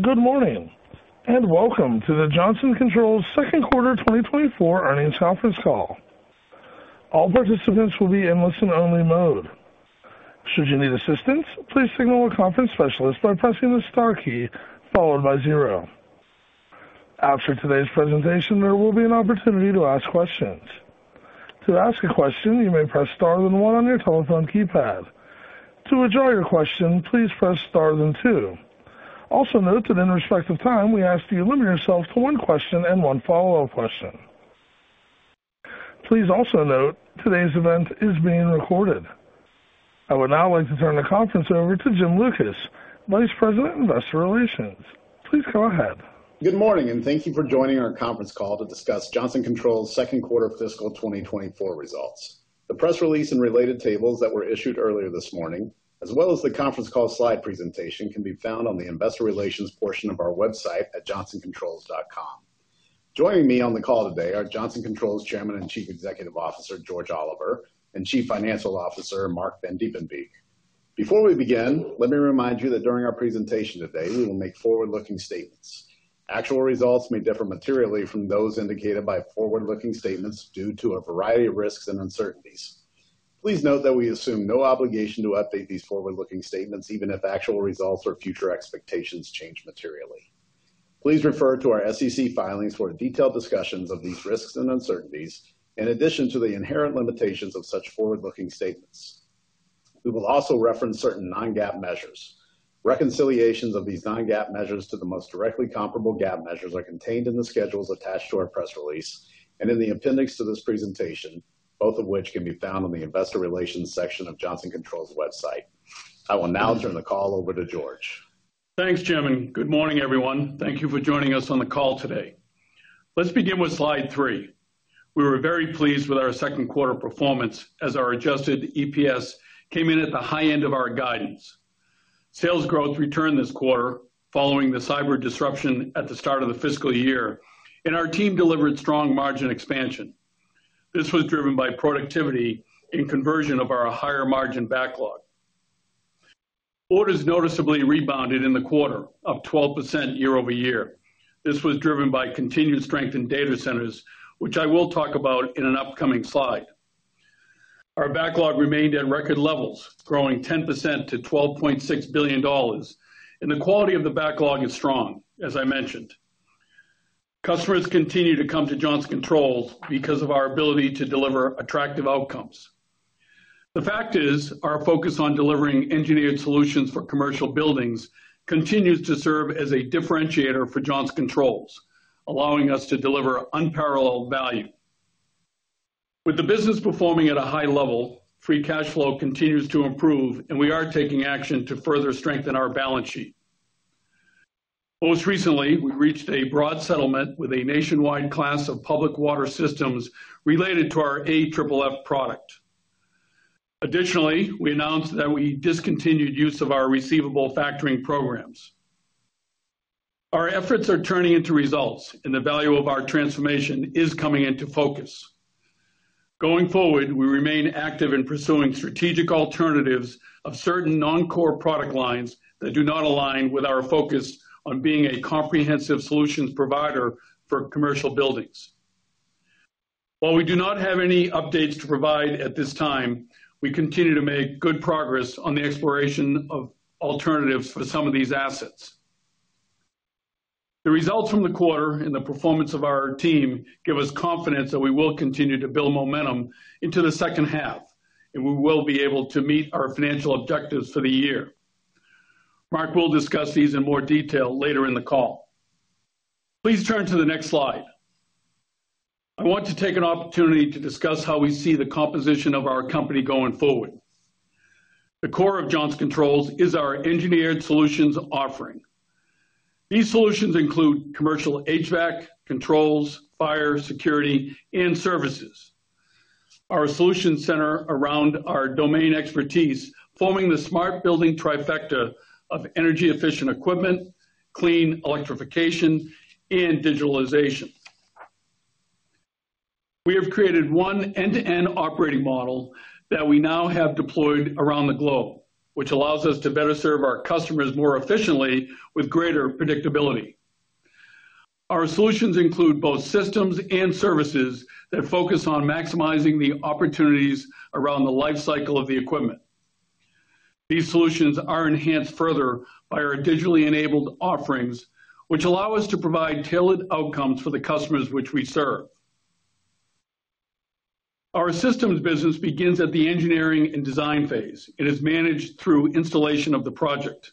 Good morning, and welcome to the Johnson Controls Second Quarter 2024 earnings conference call. All participants will be in listen-only mode. Should you need assistance, please signal a conference specialist by pressing the star key followed by zero. After today's presentation, there will be an opportunity to ask questions. To ask a question, you may press star then one on your telephone keypad. To withdraw your question, please press star then two. Also note that in the interest of time, we ask that you limit yourself to one question and one follow-up question. Please also note today's event is being recorded. I would now like to turn the conference over to Jim Lucas, Vice President, Investor Relations. Please go ahead. Good morning, and thank you for joining our conference call to discuss Johnson Controls second quarter fiscal 2024 results. The press release and related tables that were issued earlier this morning, as well as the conference call slide presentation, can be found on the investor relations portion of our website at johnsoncontrols.com. Joining me on the call today are Johnson Controls Chairman and Chief Executive Officer George Oliver and Chief Financial Officer Marc Vandiepenbeeck. Before we begin, let me remind you that during our presentation today, we will make forward-looking statements. Actual results may differ materially from those indicated by forward-looking statements due to a variety of risks and uncertainties. Please note that we assume no obligation to update these forward-looking statements, even if actual results or future expectations change materially. Please refer to our SEC filings for detailed discussions of these risks and uncertainties, in addition to the inherent limitations of such forward-looking statements. We will also reference certain non-GAAP measures. Reconciliations of these non-GAAP measures to the most directly comparable GAAP measures are contained in the schedules attached to our press release and in the appendix to this presentation, both of which can be found on the investor relations section of Johnson Controls' website. I will now turn the call over to George. Thanks, Jim, and good morning, everyone. Thank you for joining us on the call today. Let's begin with slide three. We were very pleased with our second quarter performance, as our adjusted EPS came in at the high end of our guidance. Sales growth returned this quarter following the cyber disruption at the start of the fiscal year, and our team delivered strong margin expansion. This was driven by productivity and conversion of our higher margin backlog. Orders noticeably rebounded in the quarter, up 12% year-over-year. This was driven by continued strength in data centers, which I will talk about in an upcoming slide. Our backlog remained at record levels, growing 10% to $12.6 billion, and the quality of the backlog is strong, as I mentioned. Customers continue to come to Johnson Controls because of our ability to deliver attractive outcomes. The fact is, our focus on delivering engineered solutions for commercial buildings continues to serve as a differentiator for Johnson Controls, allowing us to deliver unparalleled value. With the business performing at a high level, free cash flow continues to improve, and we are taking action to further strengthen our balance sheet. Most recently, we reached a broad settlement with a nationwide class of public water systems related to our AFFF product. Additionally, we announced that we discontinued use of our receivable factoring programs. Our efforts are turning into results, and the value of our transformation is coming into focus. Going forward, we remain active in pursuing strategic alternatives of certain non-core product lines that do not align with our focus on being a comprehensive solutions provider for commercial buildings. While we do not have any updates to provide at this time, we continue to make good progress on the exploration of alternatives for some of these assets. The results from the quarter and the performance of our team give us confidence that we will continue to build momentum into the second half, and we will be able to meet our financial objectives for the year. Marc will discuss these in more detail later in the call. Please turn to the next slide. I want to take an opportunity to discuss how we see the composition of our company going forward. The core of Johnson Controls is our engineered solutions offering. These solutions include Commercial HVAC, controls, fire, security, and services. Our solutions center around our domain expertise, forming the smart building trifecta of energy-efficient equipment, clean electrification, and digitalization. We have created one end-to-end operating model that we now have deployed around the globe, which allows us to better serve our customers more efficiently with greater predictability. Our solutions include both systems and services that focus on maximizing the opportunities around the lifecycle of the equipment. These solutions are enhanced further by our digitally enabled offerings, which allow us to provide tailored outcomes for the customers which we serve. Our Systems business begins at the engineering and design phase and is managed through installation of the project.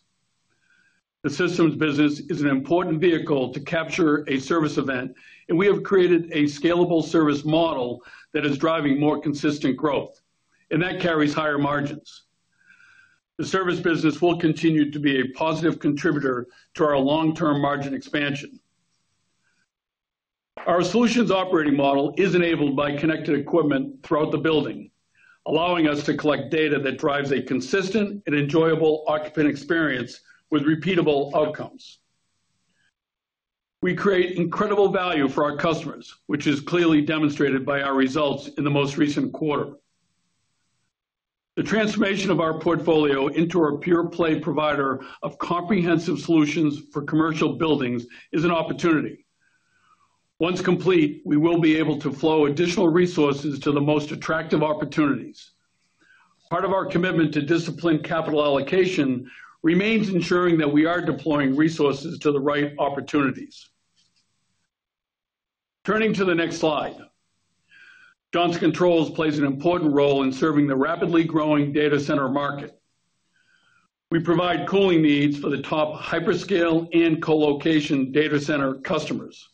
The Systems business is an important vehicle to capture a service event, and we have created a scalable service model that is driving more consistent growth, and that carries higher margins. The service business will continue to be a positive contributor to our long-term margin expansion. Our solutions operating model is enabled by connected equipment throughout the building, allowing us to collect data that drives a consistent and enjoyable occupant experience with repeatable outcomes. We create incredible value for our customers, which is clearly demonstrated by our results in the most recent quarter. The transformation of our portfolio into a pure-play provider of comprehensive solutions for commercial buildings is an opportunity. Once complete, we will be able to flow additional resources to the most attractive opportunities. Part of our commitment to disciplined capital allocation remains ensuring that we are deploying resources to the right opportunities. Turning to the next slide, Johnson Controls plays an important role in serving the rapidly growing data center market. We provide cooling needs for the top hyperscale and colocation data center customers.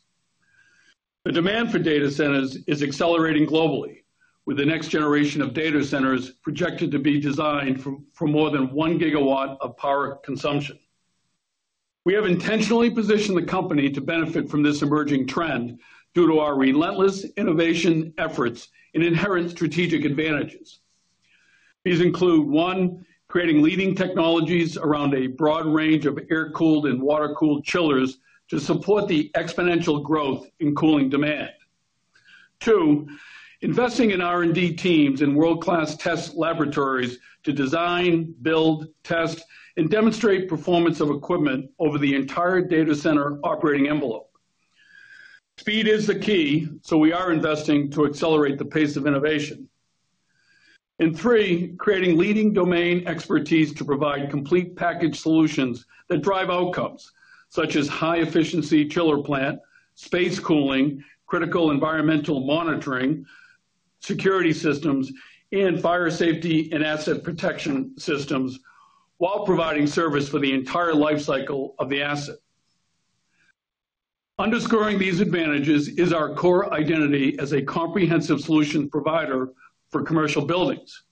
The demand for data centers is accelerating globally, with the next generation of data centers projected to be designed for more than one gigawatt of power consumption. We have intentionally positioned the company to benefit from this emerging trend due to our relentless innovation efforts and inherent strategic advantages. These include, one, creating leading technologies around a broad range of air-cooled and water-cooled chillers to support the exponential growth in cooling demand. Two, investing in R&D teams and world-class test laboratories to design, build, test, and demonstrate performance of equipment over the entire data center operating envelope. Speed is the key, so we are investing to accelerate the pace of innovation. And three, creating leading domain expertise to provide complete package solutions that drive outcomes, such as high-efficiency chiller plant, space cooling, critical environmental monitoring, security systems, and fire safety and asset protection systems, while providing service for the entire life cycle of the asset. Underscoring these advantages is our core identity as a comprehensive solution provider for commercial buildings.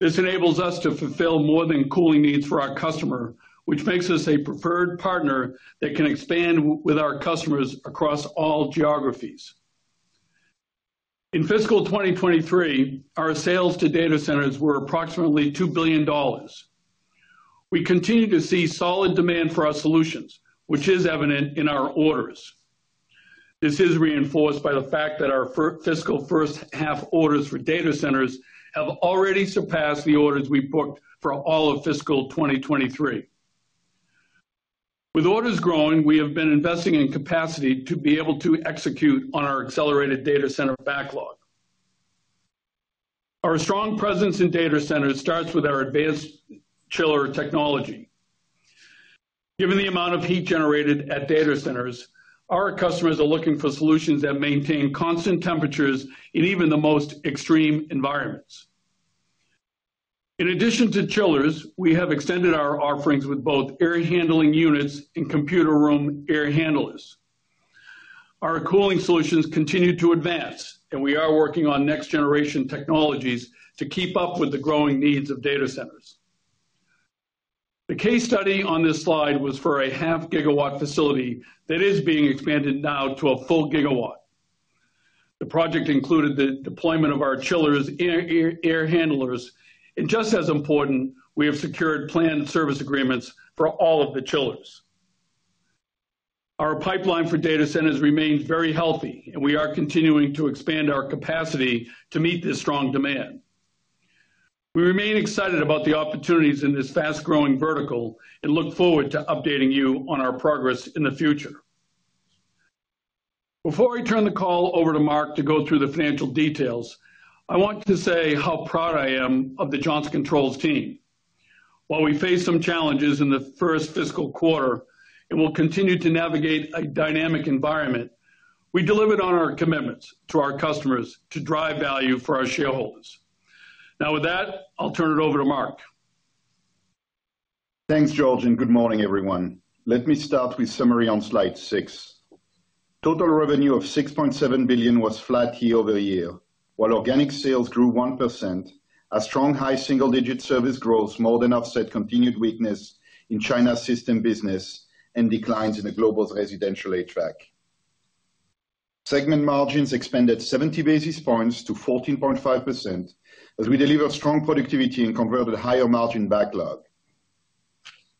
This enables us to fulfill more than cooling needs for our customer, which makes us a preferred partner that can expand with our customers across all geographies. In fiscal 2023, our sales to data centers were approximately $2 billion. We continue to see solid demand for our solutions, which is evident in our orders. This is reinforced by the fact that our fiscal first half orders for data centers have already surpassed the orders we booked for all of fiscal 2023. With orders growing, we have been investing in capacity to be able to execute on our accelerated data center backlog. Our strong presence in data centers starts with our advanced chiller technology. Given the amount of heat generated at data centers, our customers are looking for solutions that maintain constant temperatures in even the most extreme environments. In addition to chillers, we have extended our offerings with both air handling units and computer room air handlers. Our cooling solutions continue to advance, and we are working on next-generation technologies to keep up with the growing needs of data centers. The case study on this slide was for a half-gigawatt facility that is being expanded now to a full gigawatt. The project included the deployment of our chillers and air handlers, and just as important, we have secured planned service agreements for all of the chillers. Our pipeline for data centers remains very healthy, and we are continuing to expand our capacity to meet this strong demand. We remain excited about the opportunities in this fast-growing vertical and look forward to updating you on our progress in the future. Before I turn the call over to Marc to go through the financial details, I want to say how proud I am of the Johnson Controls team. While we face some challenges in the first fiscal quarter, and we'll continue to navigate a dynamic environment, we delivered on our commitments to our customers to drive value for our shareholders. Now, with that, I'll turn it over to Marc. Thanks, George, and good morning, everyone. Let me start with summary on slide six. Total revenue of $6.7 billion was flat year-over-year. While organic sales grew 1%, a strong, high-single digit service growth more than offset continued weakness in China Systems business and declines in the Global Residential HVAC. Segment margins expanded 70 basis points to 14.5%, as we delivered strong productivity and converted higher margin backlog.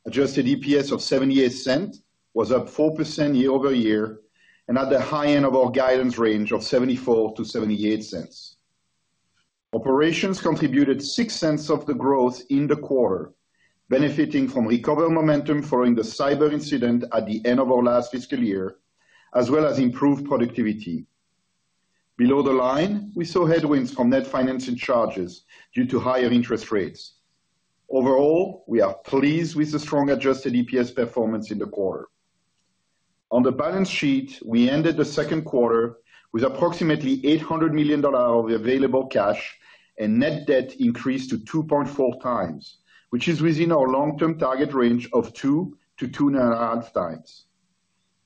Adjusted EPS of $0.78 was up 4% year-over-year and at the high end of our guidance range of $0.74-$0.78. Operations contributed $0.06 of the growth in the quarter, benefiting from recovery momentum following the cyber incident at the end of our last fiscal year, as well as improved productivity. Below the line, we saw headwinds from net financing charges due to higher interest rates. Overall, we are pleased with the strong Adjusted EPS performance in the quarter. On the balance sheet, we ended the second quarter with approximately $800 million of available cash, and net debt increased to 2.4x, which is within our long-term target range of 2x-2.5x.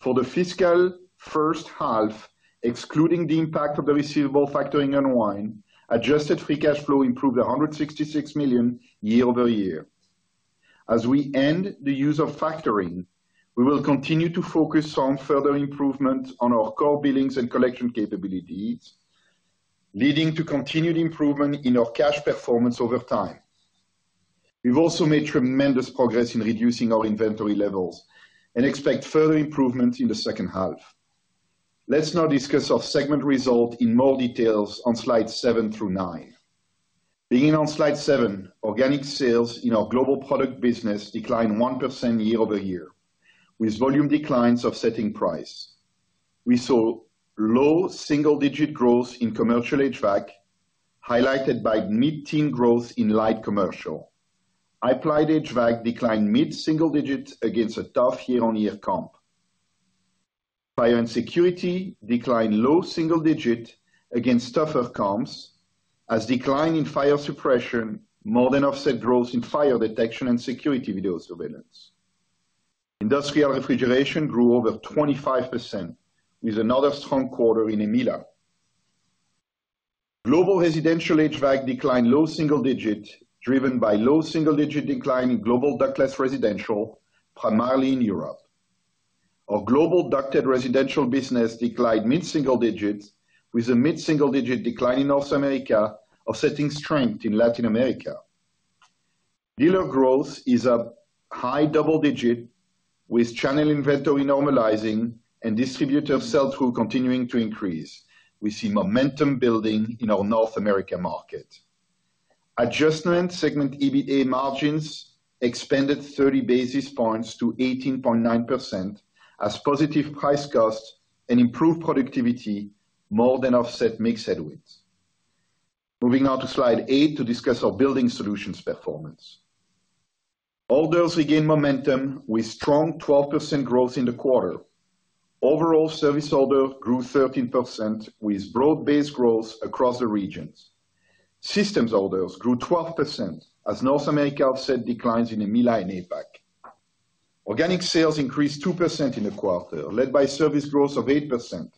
For the fiscal first half, excluding the impact of the receivable factoring unwind, Adjusted free cash flow improved $166 million year-over-year. As we end the use of factoring, we will continue to focus on further improvements on our core billings and collection capabilities, leading to continued improvement in our cash performance over time. We've also made tremendous progress in reducing our inventory levels and expect further improvement in the second half. Let's now discuss our segment results in more details on slide 7 through 9. Beginning on slide seven, organic sales in our Global Products business declined 1% year-over-year, with volume declines offsetting price. We saw low-single digit growth in Commercial HVAC, highlighted by mid-teen growth in Light Commercial. Applied HVAC declined mid-single digit against a tough year-on-year comp. Fire and Security declined low-single digit against tougher comps, as decline in fire suppression more than offset growth in fire detection and security video surveillance. Industrial Refrigeration grew over 25%, with another strong quarter in EMEA. Global Residential HVAC declined low single-digit, driven by low-single digit decline in Global Ductless Residential, primarily in Europe. Our Global Ducted Residential business declined mid-single digits, with a mid-single digit decline in North America, offsetting strength in Latin America. Dealer growth is up high-double digit, with channel inventory normalizing and distributor sell-through continuing to increase. We see momentum building in our North American market. Adjusted segment EBITDA margins expanded 30 basis points to 18.9%, as positive price costs and improved productivity more than offset mix headwinds. Moving now to slide 8 to discuss our Building Solutions performance. Orders regained momentum with strong 12% growth in the quarter. Overall, service orders grew 13%, with broad-based growth across the regions. Systems orders grew 12%, as North America offset declines in EMEA and APAC. Organic sales increased 2% in the quarter, led by service growth of 8%.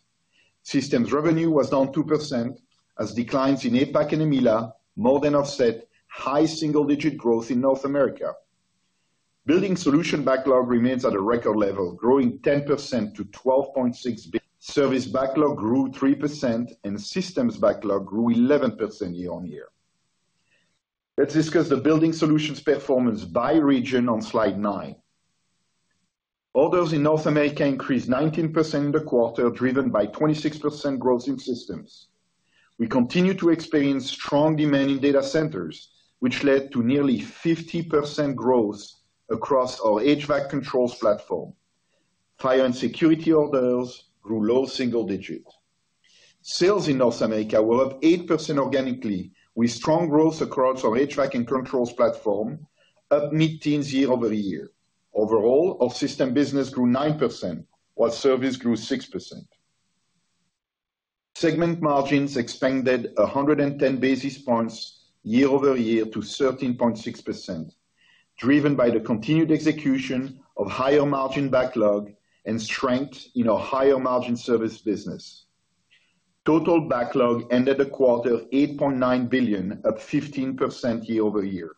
Systems revenue was down 2%, as declines in APAC and EMEA more than offset high-single digit growth in North America. Building Solutions backlog remains at a record level, growing 10% to $12.6 billion. Service backlog grew 3%, and systems backlog grew 11% year-on-year. Let's discuss the Building Solutions performance by region on slide 9. Orders in North America increased 19% in the quarter, driven by 26% growth in systems. We continue to experience strong demand in data centers, which led to nearly 50% growth across our HVAC controls platform. Fire and Security orders grew low-single digits. Sales in North America were up 8% organically, with strong growth across our HVAC and controls platform, up mid-teens year-over-year. Overall, our Systems business grew 9%, while service grew 6%. Segment margins expanded 110 basis points year-over-year to 13.6%, driven by the continued execution of higher margin backlog and strength in our higher margin service business. Total backlog ended the quarter at $8.9 billion, up 15% year-over-year.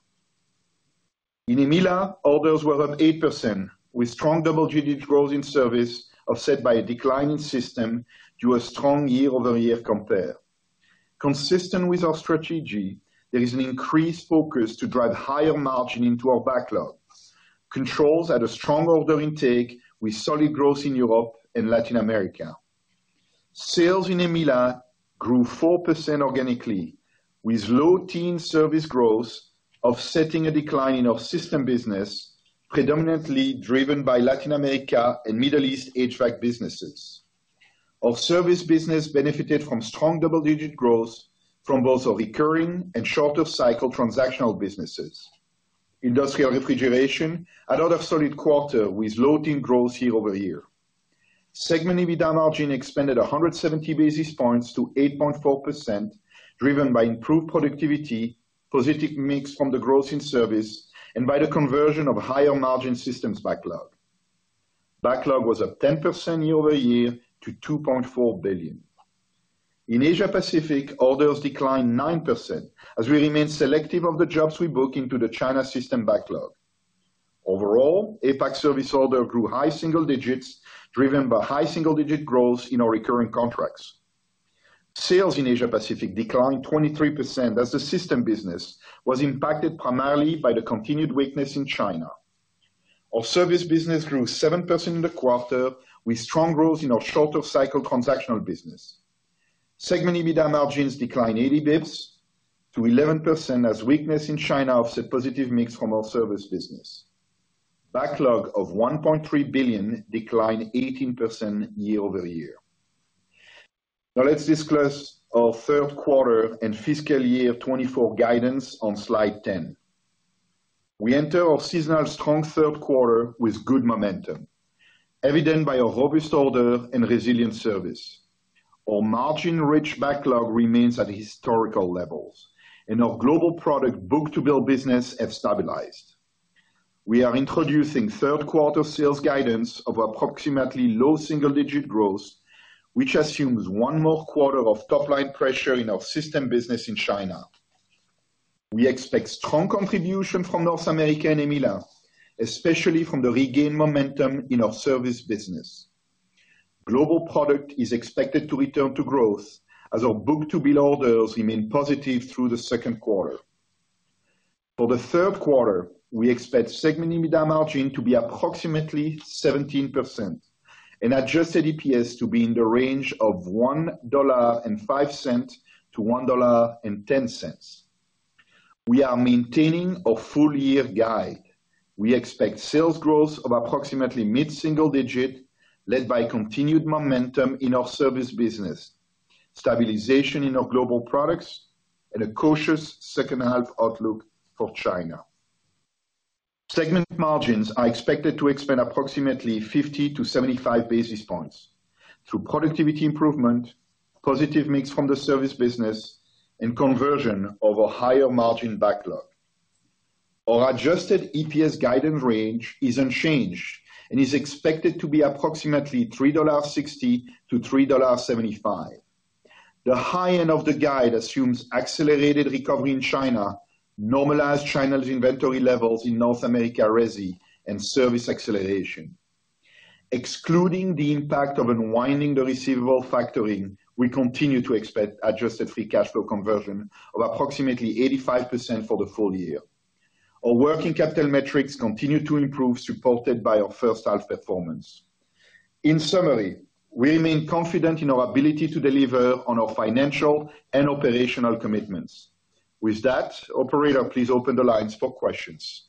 In EMEA, orders were up 8%, with strong double-digit growth in service, offset by a decline in Systems due a strong year-over-year compare. Consistent with our strategy, there is an increased focus to drive higher margin into our backlogs. Controls had a strong order intake, with solid growth in Europe and Latin America. Sales in EMEA grew 4% organically, with low teen service growth, offsetting a decline in our Systems business, predominantly driven by Latin America and Middle East HVAC businesses. Our service business benefited from strong double-digit growth from both our recurring and shorter cycle transactional businesses. Industrial Refrigeration, another solid quarter with low teen growth year-over-year. Segment EBITDA margin expanded 170 basis points to 8.4%, driven by improved productivity, positive mix from the growth in service, and by the conversion of higher margin systems backlog. Backlog was up 10% year-over-year to $2.4 billion. In Asia Pacific, orders declined 9%, as we remain selective of the jobs we book into the China Systems backlog. Overall, APAC service order grew high single digits, driven by high single-digit growth in our recurring contracts. Sales in Asia Pacific declined 23%, as the Systems business was impacted primarily by the continued weakness in China. Our service business grew 7% in the quarter, with strong growth in our shorter cycle transactional business. Segment EBITDA margins declined 80 basis points to 11%, as weakness in China offset positive mix from our service business. Backlog of $1.3 billion declined 18% year-over-year. Now, let's discuss our third quarter and fiscal year 2024 guidance on slide 10. We enter our seasonal strong third quarter with good momentum, evident by our robust order and resilient service. Our margin-rich backlog remains at historical levels, and our Global Products book-to-bill business have stabilized. We are introducing third quarter sales guidance of approximately low single-digit growth, which assumes one more quarter of top-line pressure in our Systems business in China. We expect strong contribution from North America and EMEA, especially from the regained momentum in our service business. Global Products is expected to return to growth as our book-to-bill orders remain positive through the second quarter. For the third quarter, we expect segment EBITDA margin to be approximately 17% and Adjusted EPS to be in the range of $1.05-$1.10. We are maintaining a full year guide. We expect sales growth of approximately mid-single digit, led by continued momentum in our service business, stabilization in our Global Products, and a cautious second half outlook for China. Segment margins are expected to expand approximately 50 basis points-75 basis points through productivity improvement, positive mix from the service business, and conversion of a higher margin backlog. Our Adjusted EPS guidance range is unchanged and is expected to be approximately $3.60-$3.75. The high end of the guide assumes accelerated recovery in China, normalized channel inventory levels in North America Resi, and service acceleration. Excluding the impact of unwinding the receivable factoring, we continue to expect adjusted free cash flow conversion of approximately 85% for the full year. Our working capital metrics continue to improve, supported by our first half performance. In summary, we remain confident in our ability to deliver on our financial and operational commitments. With that, operator, please open the lines for questions.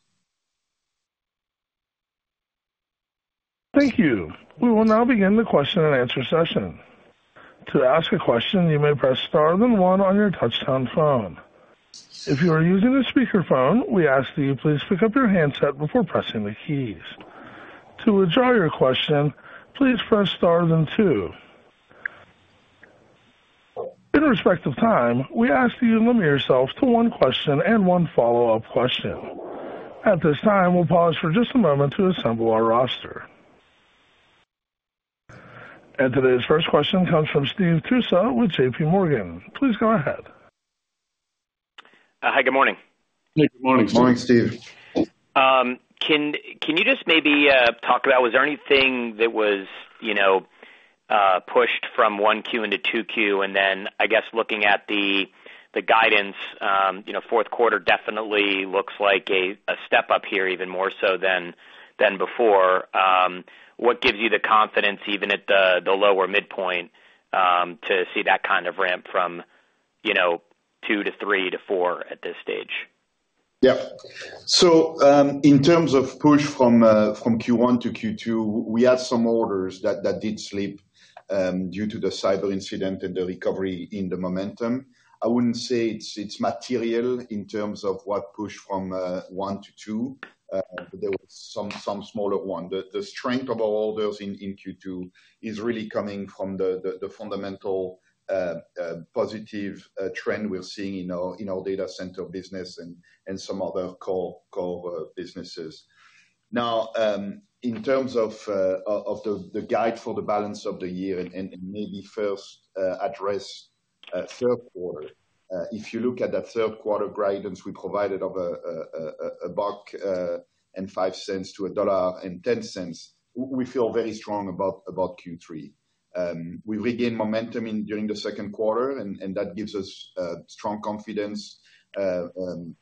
Thank you. We will now begin the question and answer session. To ask a question, you may press star then one on your touchtone phone. If you are using a speakerphone, we ask that you please pick up your handset before pressing the keys. To withdraw your question, please press star then two. In respect of time, we ask you to limit yourselves to one question and one follow-up question. At this time, we'll pause for just a moment to assemble our roster. Today's first question comes from Steve Tusa with JPMorgan. Please go ahead. Hi, good morning. Good morning, Steve. Good morning, Steve. Can you just maybe talk about was there anything that was, you know, pushed from 1Q into 2Q? Then, I guess, looking at the guidance, you know, fourth quarter definitely looks like a step up here, even more so than before. What gives you the confidence, even at the lower midpoint, to see that kind of ramp from, you know, 2 to 3 to 4 at this stage? Yeah. In terms of push from Q1-Q2, we had some orders that did slip due to the cyber incident and the recovery in the momentum. I wouldn't say it's material in terms of what pushed from one to two. There was some smaller one. The strength of our orders in Q2 is really coming from the fundamental positive trend we're seeing in our data center business and some other core businesses. Now, in terms of the guide for the balance of the year, and maybe first address third quarter. If you look at that third quarter guidance we provided of $1.05-$1.10, we feel very strong about Q3. We regained momentum during the second quarter, and that gives us strong confidence,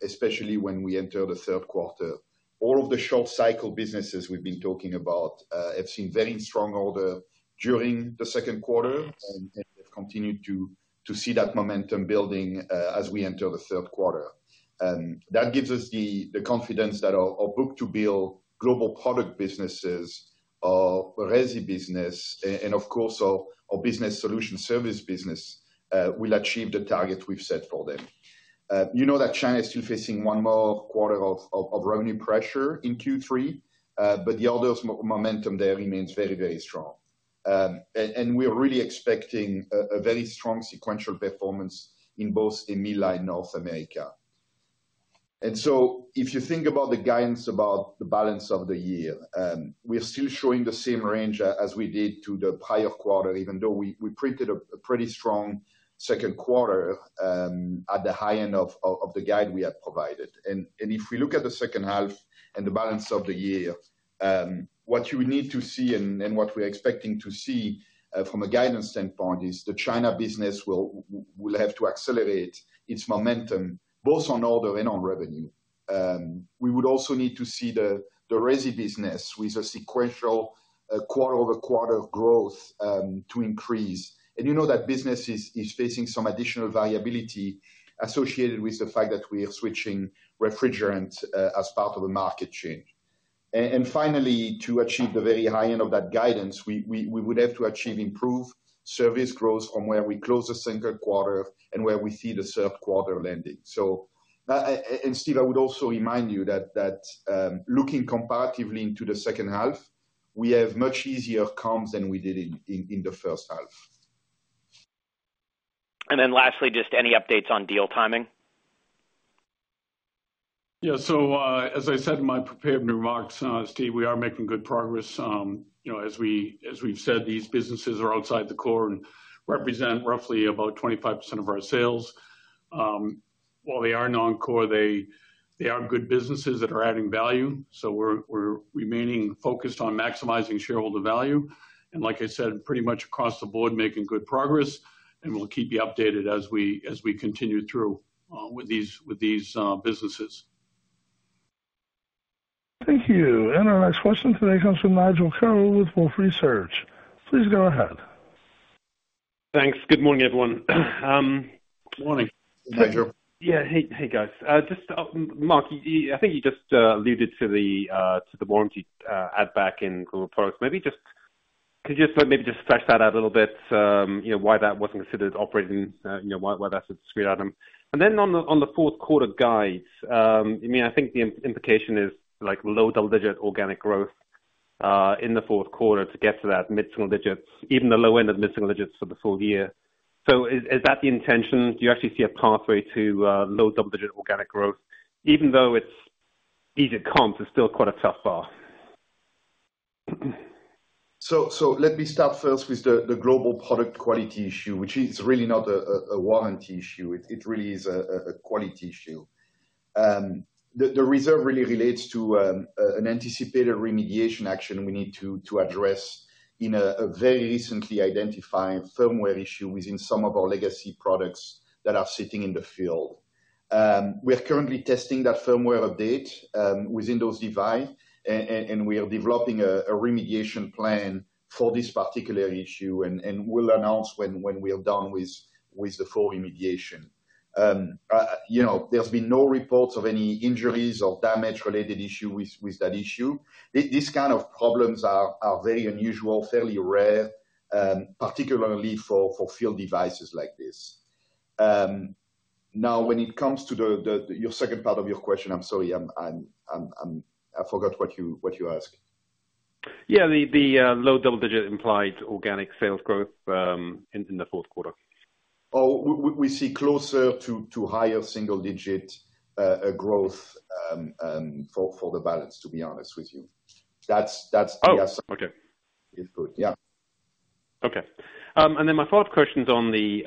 especially when we enter the third quarter. All of the short cycle businesses we've been talking about have seen very strong order during the second quarter and have continued to see that momentum building as we enter the third quarter. That gives us the confidence that our book-to-bill Global Products businesses, our resi business, and of course, our Building Solutions Service business will achieve the target we've set for them. You know that China is still facing one more quarter of revenue pressure in Q3, but the orders momentum there remains very, very strong. We are really expecting a very strong sequential performance in both EMEA and North America. If you think about the guidance about the balance of the year, we are still showing the same range as we did to the prior quarter, even though we printed a pretty strong second quarter, at the high end of the guide we had provided. If we look at the second half and the balance of the year, what you need to see and what we're expecting to see, from a guidance standpoint, is the China business will have to accelerate its momentum, both on order and on revenue. We would also need to see the Resi business with a sequential quarter-over-quarter growth to increase. You know that business is facing some additional variability associated with the fact that we are switching refrigerant as part of a market change. Finally, to achieve the very high end of that guidance, we would have to achieve improved service growth from where we closed the second quarter and where we see the third quarter landing. Steve, I would also remind you that looking comparatively into the second half, we have much easier comps than we did in the first half. Lastly, just any updates on deal timing? Yeah, so, as I said in my prepared remarks, Steve, we are making good progress. You know, as we, as we've said, these businesses are outside the core and represent roughly about 25% of our sales. While they are non-core, they, they are good businesses that are adding value, so we're, we're remaining focused on maximizing shareholder value. Like I said, pretty much across the board, making good progress, and we'll keep you updated as we, as we continue through, with these, with these, businesses. Thank you. Our next question today comes from Nigel Coe with Wolfe Research. Please go ahead. Thanks. Good morning, everyone. Good morning, Nigel. Yeah. Hey, hey, guys. Just, Marc, I think you just alluded to the warranty add back in Global Products. Maybe just could you just stretch that out a little bit? You know, why that wasn't considered operating, you know, why that's a discrete item? Then on the fourth quarter guide, I mean, I think the implication is like low-double digit organic growth in the fourth quarter to get to that mid-single digits, even the low end of mid-single digits for the full year. Is that the intention? Do you actually see a pathway to low-double digit organic growth, even though it's easy comps, it's still quite a tough bar? Let me start first with the Global Products quality issue, which is really not a warranty issue. It really is a quality issue. The reserve really relates to an anticipated remediation action we need to address a very recently identified firmware issue within some of our legacy products that are sitting in the field. We are currently testing that firmware update within those devices, and we are developing a remediation plan for this particular issue, and we'll announce when we are done with the full remediation. You know, there's been no reports of any injuries or damage related issue with that issue. These kind of problems are very unusual, fairly rare, particularly for field devices like this. Now, when it comes to your second part of your question, I'm sorry, I forgot what you asked. Yeah, the low-double digit implied organic sales growth in the fourth quarter? Oh, we see closer to higher-single ndigit growth for the balance, to be honest with you. That's, that's- Oh, okay. Yeah. Okay. Then my fourth question is on the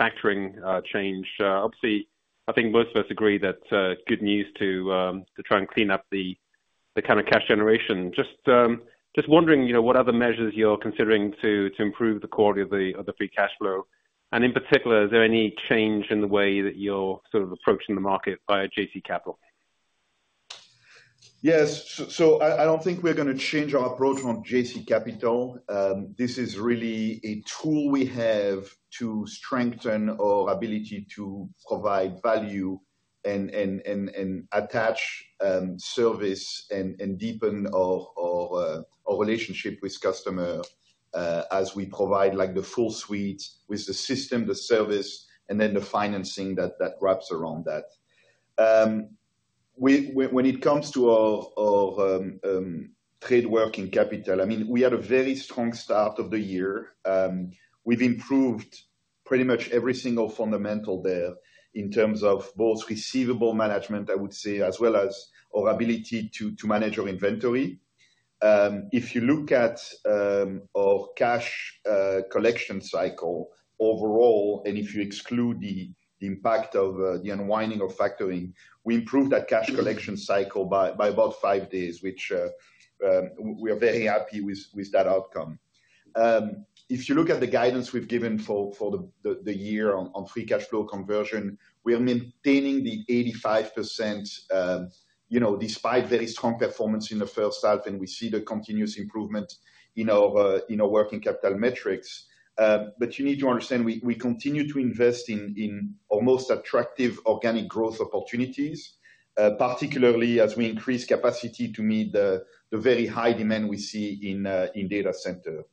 factoring change. Obviously, I think most of us agree that good news to try and clean up the kind of cash generation. Just wondering, you know, what other measures you're considering to improve the quality of the free cash flow. In particular, is there any change in the way that you're sort of approaching the market via JC Capital? Yes. I don't think we're gonna change our approach on JC Capital. This is really a tool we have to strengthen our ability to provide value and attach service and deepen our relationship with customer as we provide, like, the full suite with the system, the service, and then the financing that wraps around that. When it comes to our trade working capital, I mean, we had a very strong start of the year. We've improved pretty much every single fundamental there in terms of both receivable management, I would say, as well as our ability to manage our inventory. If you look at our cash collection cycle overall, and if you exclude the impact of the unwinding of factoring, we improved that cash collection cycle by about five days, which we are very happy with that outcome. If you look at the guidance we've given for the year on free cash flow conversion, we are maintaining the 85%, you know, despite very strong performance in the first half, and we see the continuous improvement in our working capital metrics. You need to understand, we continue to invest in our most attractive organic growth opportunities, particularly as we increase capacity to meet the very high demand we see in data center.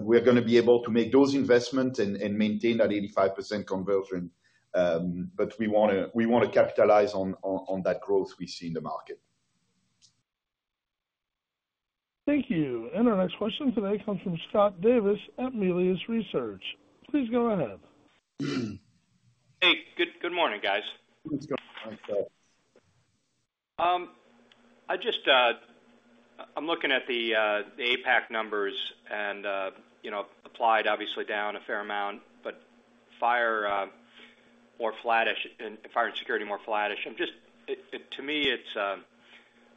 We're gonna be able to make those investments and maintain that 85% conversion, but we wanna capitalize on that growth we see in the market. Thank you. Our next question today comes from Scott Davis at Melius Research. Please go ahead. Hey, good, good morning, guys. Good morning, Scott. I just, I'm looking at the APAC numbers and, you know, Applied obviously down a fair amount, but fire, more flattish, and fire and security, more flattish. I'm just, to me, it's.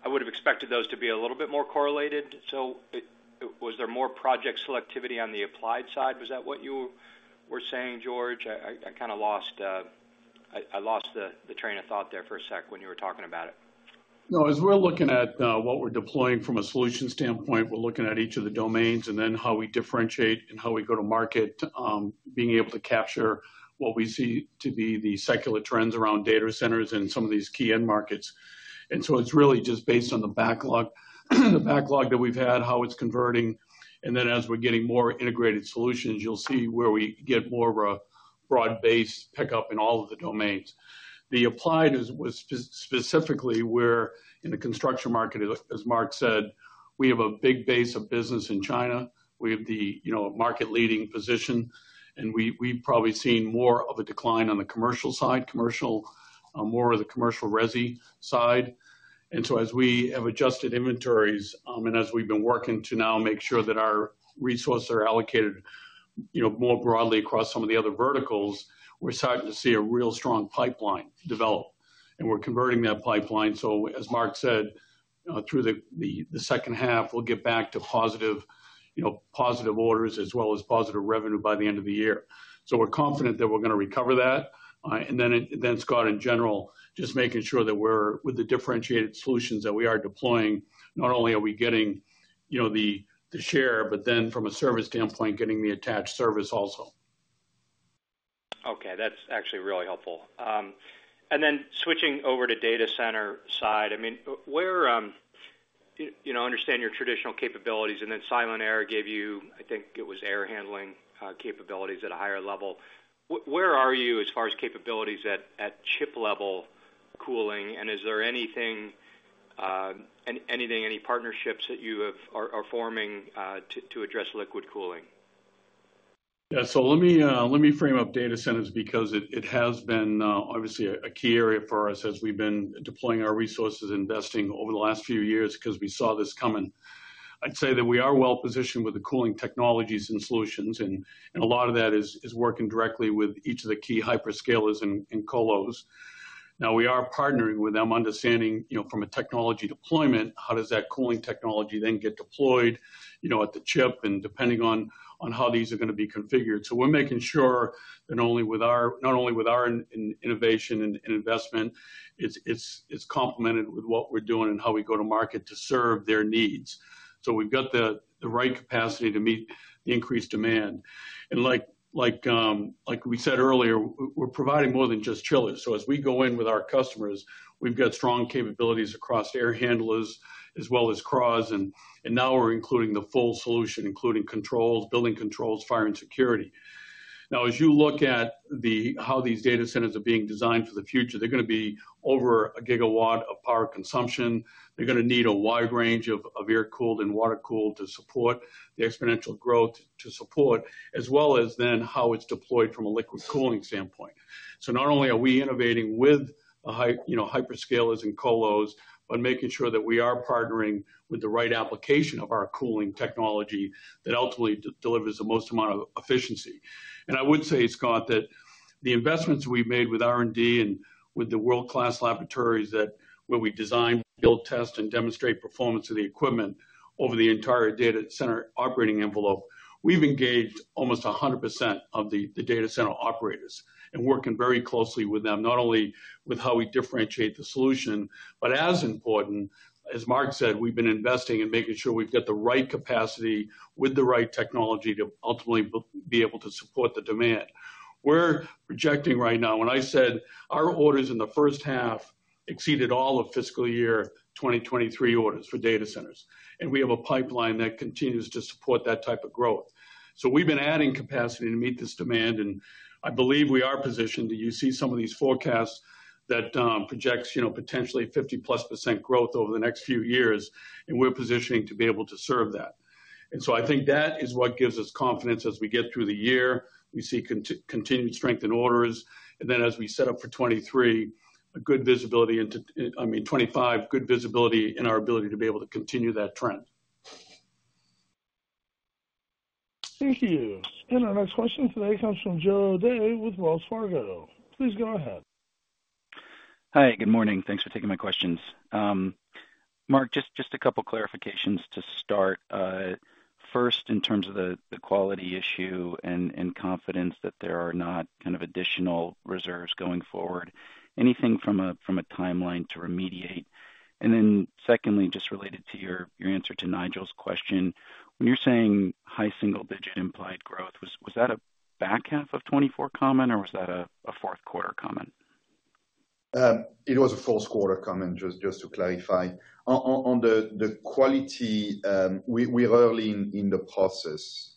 I would have expected those to be a little bit more correlated, so, was there more project selectivity on the Applied side? Was that what you were saying, George? I kind of lost the train of thought there for a sec when you were talking about it. No, as we're looking at what we're deploying from a solution standpoint, we're looking at each of the domains, and then how we differentiate and how we go to market, being able to capture what we see to be the secular trends around data centers and some of these key end markets. It's really just based on the backlog, the backlog that we've had, how it's converting. Then as we're getting more integrated solutions, you'll see where we get more of a broad-based pickup in all of the domains. The Applied is, was specifically where in the construction market, as Marc said, we have a big base of business in China. We have the, you know, market-leading position, and we, we've probably seen more of a decline on the commercial side, more of the commercial Resi side. As we have adjusted inventories, and as we've been working to now make sure that our resources are allocated, you know, more broadly across some of the other verticals, we're starting to see a real strong pipeline develop, and we're converting that pipeline. As Marc said, through the second half, we'll get back to positive, you know, positive orders as well as positive revenue by the end of the year. We're confident that we're gonna recover that. Then, Scott, in general, just making sure that we're with the differentiated solutions that we are deploying, not only are we getting, you know, the share, but then from a service standpoint, getting the attached service also. Okay, that's actually really helpful. Then switching over to data center side, I mean, where you know understand your traditional capabilities, and then Silent-Aire gave you, I think it was air handling capabilities at a higher level. Where are you as far as capabilities at chip-level cooling, and is there anything, any partnerships that you have are forming to address liquid cooling? Yeah, so let me, let me frame up data centers because it has been, obviously a key area for us as we've been deploying our resources, investing over the last few years because we saw this coming. I'd say that we are well positioned with the cooling technologies and solutions, and a lot of that is working directly with each of the key hyperscalers and colos. Now, we are partnering with them, understanding, you know, from a technology deployment, how does that cooling technology then get deployed, you know, at the chip, and depending on how these are gonna be configured. We're making sure that not only with our innovation and investment, it's complemented with what we're doing and how we go to market to serve their needs. We've got the right capacity to meet the increased demand. Like we said earlier, we're providing more than just chillers. As we go in with our customers, we've got strong capabilities across air handlers as well as CRACs, and now we're including the full solution, including controls, building controls, fire and security. Now, as you look at the how these data centers are being designed for the future, they're gonna be over a gigawatt of power consumption. They're gonna need a wide range of air-cooled and water-cooled to support the exponential growth, to support, as well as then how it's deployed from a liquid cooling standpoint. Not only are we innovating with, you know, hyperscalers and colos, but making sure that we are partnering with the right application of our cooling technology that ultimately delivers the most amount of efficiency. I would say, Scott, that the investments we've made with R&D and with the world-class laboratories, that where we design, build, test, and demonstrate performance of the equipment over the entire data center operating envelope, we've engaged almost 100% of the data center operators and working very closely with them, not only with how we differentiate the solution. As important, as Marc said, we've been investing and making sure we've got the right capacity with the right technology to ultimately be able to support the demand. We're projecting right now, when I said our orders in the first half exceeded all of fiscal year 2023 orders for data centers, and we have a pipeline that continues to support that type of growth. We've been adding capacity to meet this demand, and I believe we are positioned, and you see some of these forecasts that projects, you know, potentially 50%+ growth over the next few years, and we're positioning to be able to serve that. I think that is what gives us confidence as we get through the year. We see continued strength in orders, and then as we set up for 2023, a good visibility into, I mean, 2025, good visibility in our ability to be able to continue that trend. Thank you. Our next question today comes from Joe O'Dea with Wells Fargo. Please go ahead. Hi, good morning. Thanks for taking my questions. Marc, just a couple clarifications to start. First, in terms of the quality issue and confidence that there are not kind of additional reserves going forward, anything from a timeline to remediate? Then secondly, just related to your answer to Nigel's question, when you're saying high-single digit implied growth, was that a back half of 2024 comment, or was that a fourth quarter comment? It was a fourth quarter comment, just to clarify. On the quality, we're early in the process.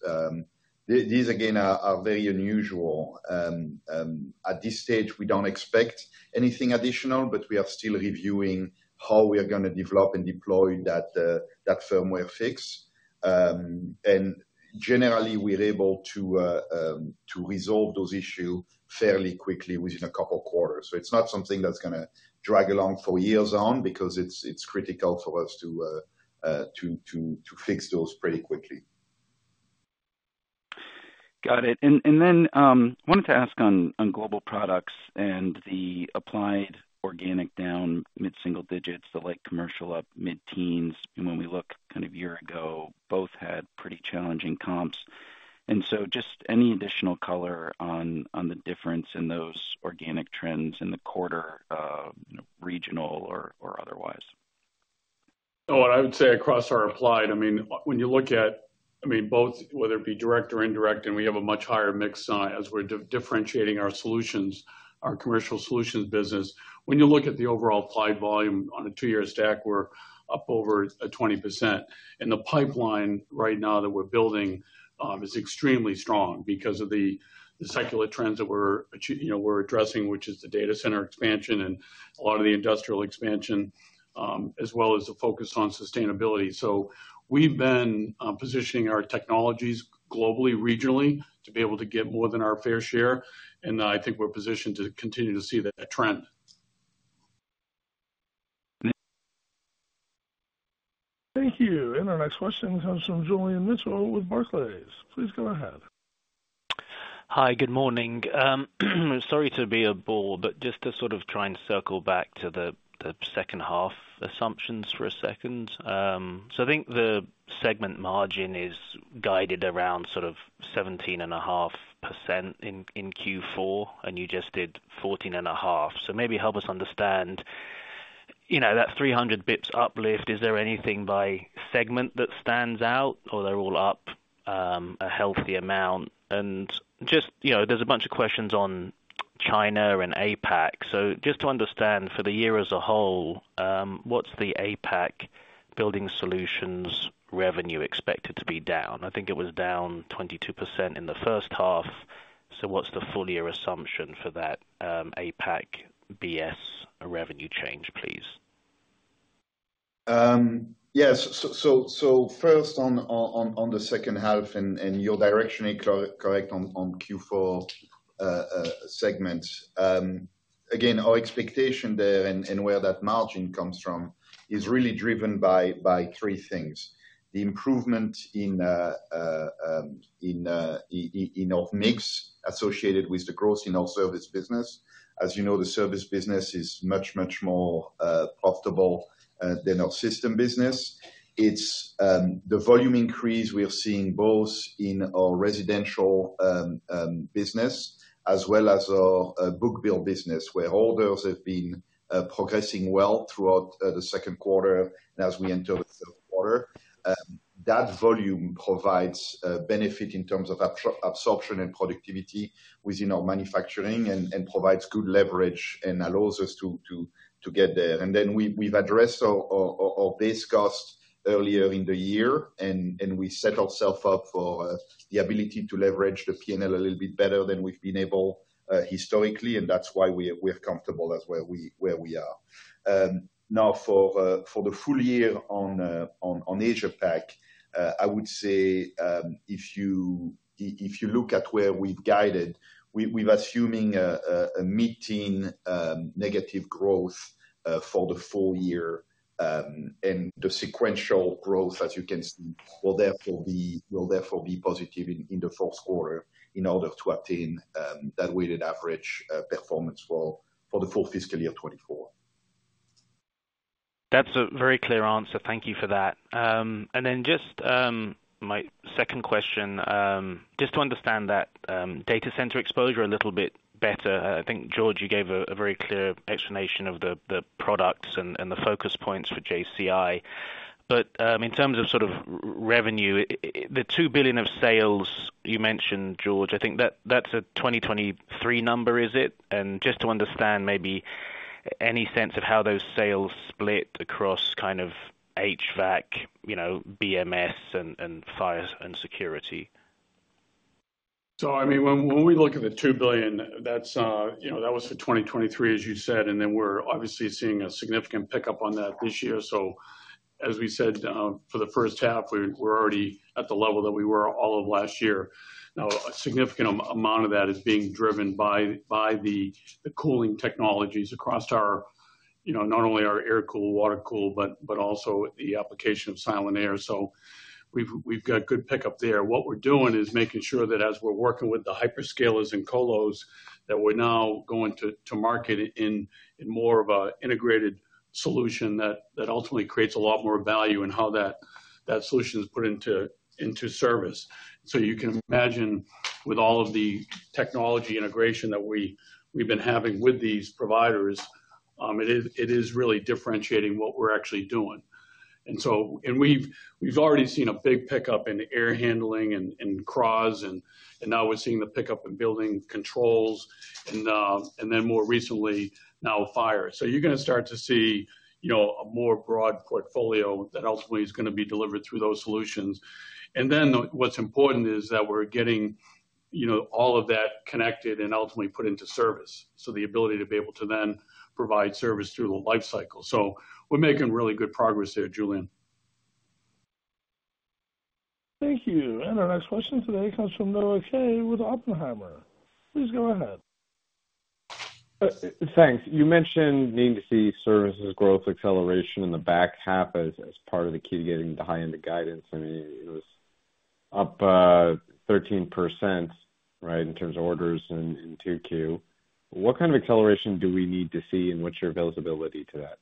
These, again, are very unusual. At this stage, we don't expect anything additional, but we are still reviewing how we are gonna develop and deploy that firmware fix. Generally, we're able to resolve those issues fairly quickly within a couple of quarters. It's not something that's gonna drag along for years on because it's critical for us to fix those pretty quickly. Got it. Then wanted to ask on Global Products and the Applied organic down mid-single digits, the Light Commercial up mid-teens, and when we look kind of a year ago, both had pretty challenging comps. And so just any additional color on the difference in those organic trends in the quarter, you know, regional or otherwise? Oh, and I would say across our Applied, I mean, when you look at, I mean, both whether it be direct or indirect, and we have a much higher mix, as we're differentiating our solutions, our Commercial Solutions business. When you look at the overall applied volume on a two-year stack, we're up over 20%. The pipeline right now that we're building is extremely strong because of the secular trends that you know, we're addressing, which is the data center expansion and a lot of the industrial expansion as well as the focus on sustainability. We've been positioning our technologies globally, regionally, to be able to get more than our fair share, and I think we're positioned to continue to see that trend. Thank you. Our next question comes from Julian Mitchell with Barclays. Please go ahead. Hi, good morning. Sorry to be a bull, but just to sort of try and circle back to the second half assumptions for a second. I think the segment margin is guided around sort of 17.5% in Q4, and you just did 14.5. Maybe help us understand, you know, that 300 bps uplift, is there anything by segment that stands out or they're all up a healthy amount? Just, you know, there's a bunch of questions on China and APAC. Just to understand, for the year as a whole, what's the APAC Building Solutions revenue expected to be down? I think it was down 22% in the first half. What's the full year assumption for that APAC BS revenue change, please? Yes. First on the second half, and you're directionally correct on Q4 segment. Again, our expectation there and where that margin comes from is really driven by three things: the improvement in our mix associated with the growth in our service business. As you know, the service business is much more profitable than our Systems business. It's the volume increase we are seeing both in our Residential business as well as our book-to-bill business, where orders have been progressing well throughout the second quarter and as we enter the third quarter. That volume provides benefit in terms of absorption and productivity within our manufacturing and provides good leverage and allows us to get there. Then we've addressed our base cost earlier in the year, and we set ourself up for the ability to leverage the P&L a little bit better than we've been able historically, and that's why we're comfortable. That's where we are. Now, for the full year on Asia Pac, I would say, if you look at where we've guided, we're assuming a mid-teen negative growth for the full year. The sequential growth, as you can see, will therefore be positive in the fourth quarter in order to obtain that weighted average performance for the full fiscal year 2024. That's a very clear answer. Thank you for that. Then just my second question, just to understand that data center exposure a little bit better. I think, George, you gave a very clear explanation of the products and the focus points for JCI. In terms of sort of revenue, the $2 billion of sales you mentioned, George, I think that's a 2023 number, is it? Just to understand maybe any sense of how those sales split across kind of HVAC, you know, BMS and fire and security. I mean, when we look at the $2 billion, that's, you know, that was for 2023, as you said, and then we're obviously seeing a significant pickup on that this year. As we said, for the first half, we're already at the level that we were all of last year. Now, a significant amount of that is being driven by the cooling technologies across our, you know, not only our air-cooled, water-cooled, but also the application of Silent-Aire. We've got good pickup there. What we're doing is making sure that as we're working with the hyperscalers and colos, that we're now going to market in more of an integrated solution that ultimately creates a lot more value in how that solution is put into service. You can imagine with all of the technology integration that we've been having with these providers, it is really differentiating what we're actually doing. We've already seen a big pickup in air handling and CRAH, and now we're seeing the pickup in building controls and then more recently fire. You're gonna start to see, you know, a more broad portfolio that ultimately is gonna be delivered through those solutions. Then what's important is that we're getting, you know, all of that connected and ultimately put into service, so the ability to be able to then provide service through the lifecycle. We're making really good progress there, Julian. Thank you. Our next question today comes from Noah Kaye with Oppenheimer. Please go ahead. Thanks. You mentioned needing to see services growth acceleration in the back half as part of the key to getting the high-end guidance. I mean, it was up 13%, right, in terms of orders in 2Q. What kind of acceleration do we need to see, and what's your visibility to that?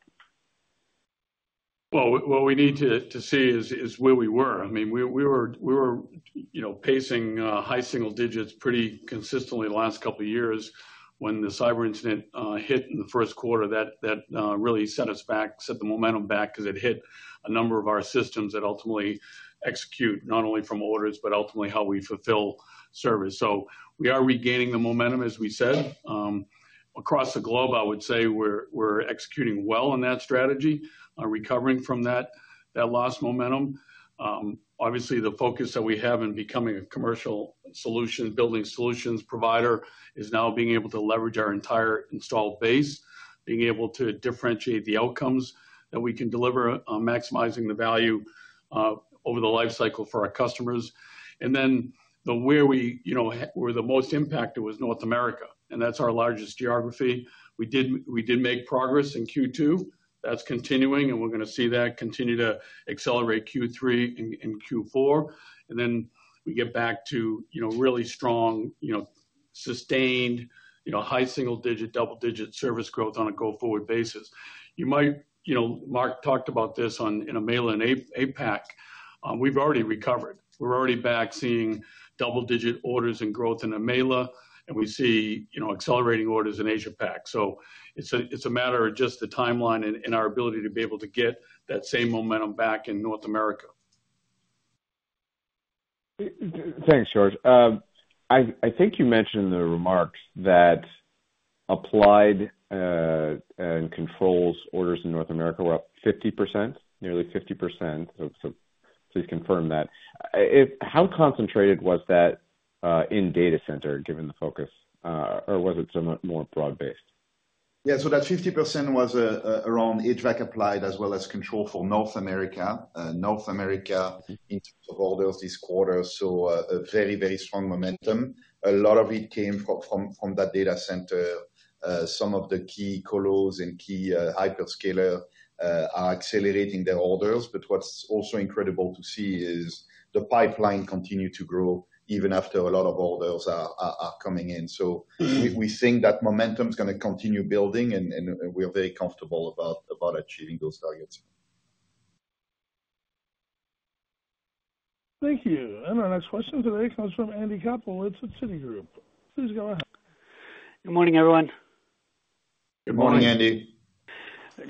Well, what we need to see is where we were. I mean, we were, you know, pacing high-single digits pretty consistently the last couple of years. When the cyber incident hit in the first quarter, that really set us back, set the momentum back, 'cause it hit a number of our systems that ultimately execute, not only from orders, but ultimately how we fulfill service. We are regaining the momentum, as we said. Across the globe, I would say we're executing well on that strategy, are recovering from that lost momentum. Obviously, the focus that we have in becoming a Commercial Solutions, Building Solutions provider, is now being able to leverage our entire installed base. Being able to differentiate the outcomes that we can deliver on maximizing the value over the life cycle for our customers. Then, where we, you know, where the most impacted was North America, and that's our largest geography. We did, we did make progress in Q2. That's continuing, and we're gonna see that continue to accelerate Q3 and, and Q4. Then we get back to, you know, really strong, you know, sustained, you know, high-single digit, double-digit service growth on a go-forward basis. You might, you know, Marc talked about this on, in EMEA and APAC. We've already recovered. We're already back seeing double digit orders and growth in EMEA, and we see, you know, accelerating orders in Asia Pac. It's a matter of just the timeline and our ability to be able to get that same momentum back in North America. Thanks, George. I think you mentioned in the remarks that Applied and Controls orders in North America were up 50%, nearly 50%. Please confirm that. If, how concentrated was that in data center, given the focus, or was it somewhat more broad-based? Yeah, so that 50% was around HVAC Applied as well as control for North America. North America, in terms of orders this quarter, saw a very, very strong momentum. A lot of it came from that data center. Some of the key colors and key hyperscaler are accelerating their orders. What's also incredible to see is the pipeline continue to grow even after a lot of orders are coming in. We think that momentum is gonna continue building, and we are very comfortable about achieving those targets. Thank you. Our next question today comes from Andy Kaplowitz with Citigroup. Please go ahead. Good morning, everyone. Good morning, Andy.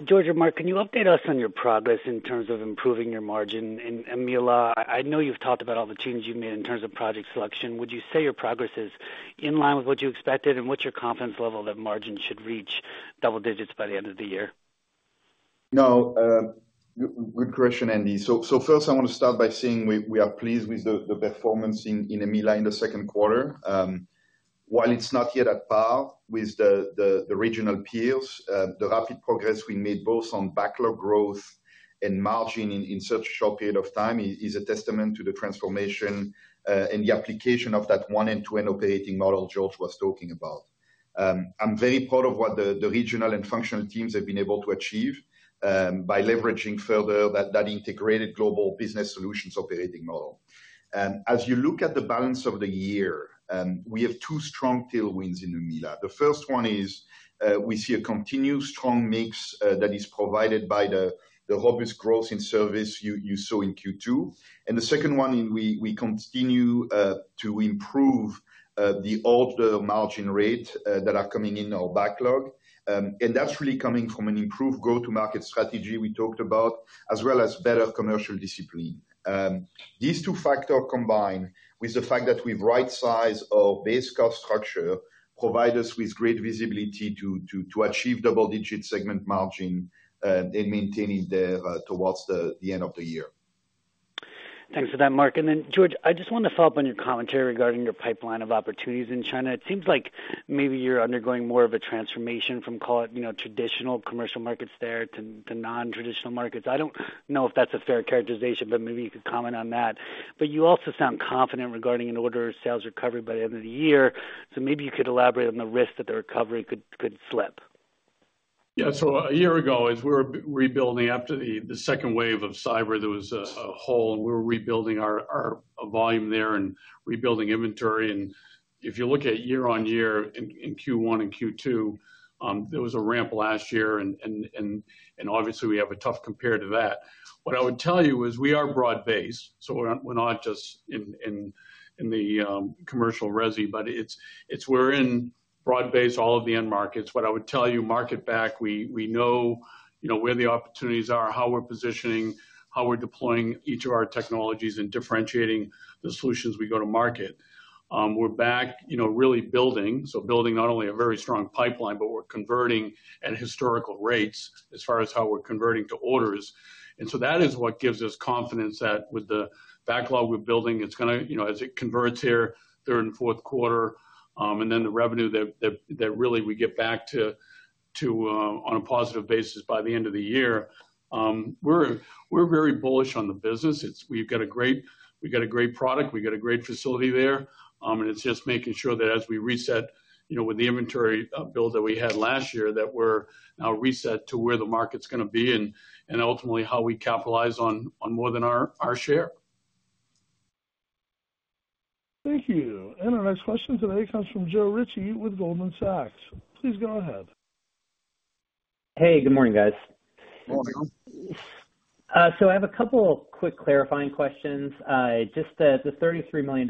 George and Marc, can you update us on your progress in terms of improving your margin in EMEA? I know you've talked about all the changes you've made in terms of project selection. Would you say your progress is in line with what you expected? What's your confidence level that margin should reach double digits by the end of the year? No, good question, Andy. First I want to start by saying we are pleased with the performance in EMEA in the second quarter. While it's not yet at par with the regional peers, the rapid progress we made both on backlog growth and margin in such a short period of time is a testament to the transformation and the application of that one end-to-end operating model George was talking about. I'm very proud of what the regional and functional teams have been able to achieve by leveraging further that integrated Global Business Solutions operating model. As you look at the balance of the year, we have two strong tailwinds in EMEA. The first one is, we see a continued strong mix that is provided by the robust growth in service you saw in Q2. The second one, we continue to improve the order margin rate that are coming in our backlog. That's really coming from an improved go-to-market strategy we talked about, as well as better commercial discipline. These two factors combined with the fact that we've rightsized our base cost structure provide us with great visibility to achieve double-digit segment margin, and maintaining that towards the end of the year. Thanks for that, Marc. Then, George, I just wanted to follow up on your commentary regarding your pipeline of opportunities in China. It seems like maybe you're undergoing more of a transformation from, call it, you know, traditional commercial markets there to, to nontraditional markets. I don't know if that's a fair characterization, but maybe you could comment on that. You also sound confident regarding an order sales recovery by the end of the year, so maybe you could elaborate on the risk that the recovery could, could slip? Yeah, so a year ago, as we were rebuilding after the second wave of cyber, there was a hole, and we were rebuilding our volume there and rebuilding inventory. If you look at year-on-year in Q1 and Q2, there was a ramp last year and obviously we have a tough compare to that. What I would tell you is we are broad-based, so we're not just in the commercial Resi, but we're in broad-based all of the end markets. What I would tell you, market-back, we know, you know, where the opportunities are, how we're positioning, how we're deploying each of our technologies and differentiating the solutions we go to market. We're back, you know, really building, so building not only a very strong pipeline, but we're converting at historical rates as far as how we're converting to orders. That is what gives us confidence that with the backlog we're building, it's gonna, you know, as it converts here, third and fourth quarter, and then the revenue that really we get back to on a positive basis by the end of the year. We're very bullish on the business. It's. We've got a great product, we've got a great facility there, and it's just making sure that as we reset, you know, with the inventory build that we had last year, that we're now reset to where the market's gonna be and ultimately how we capitalize on more than our share. Thank you. Our next question today comes from Joe Ritchie with Goldman Sachs. Please go ahead. Hey, good morning, guys. Good morning. I have a couple of quick clarifying questions. Just the $33 million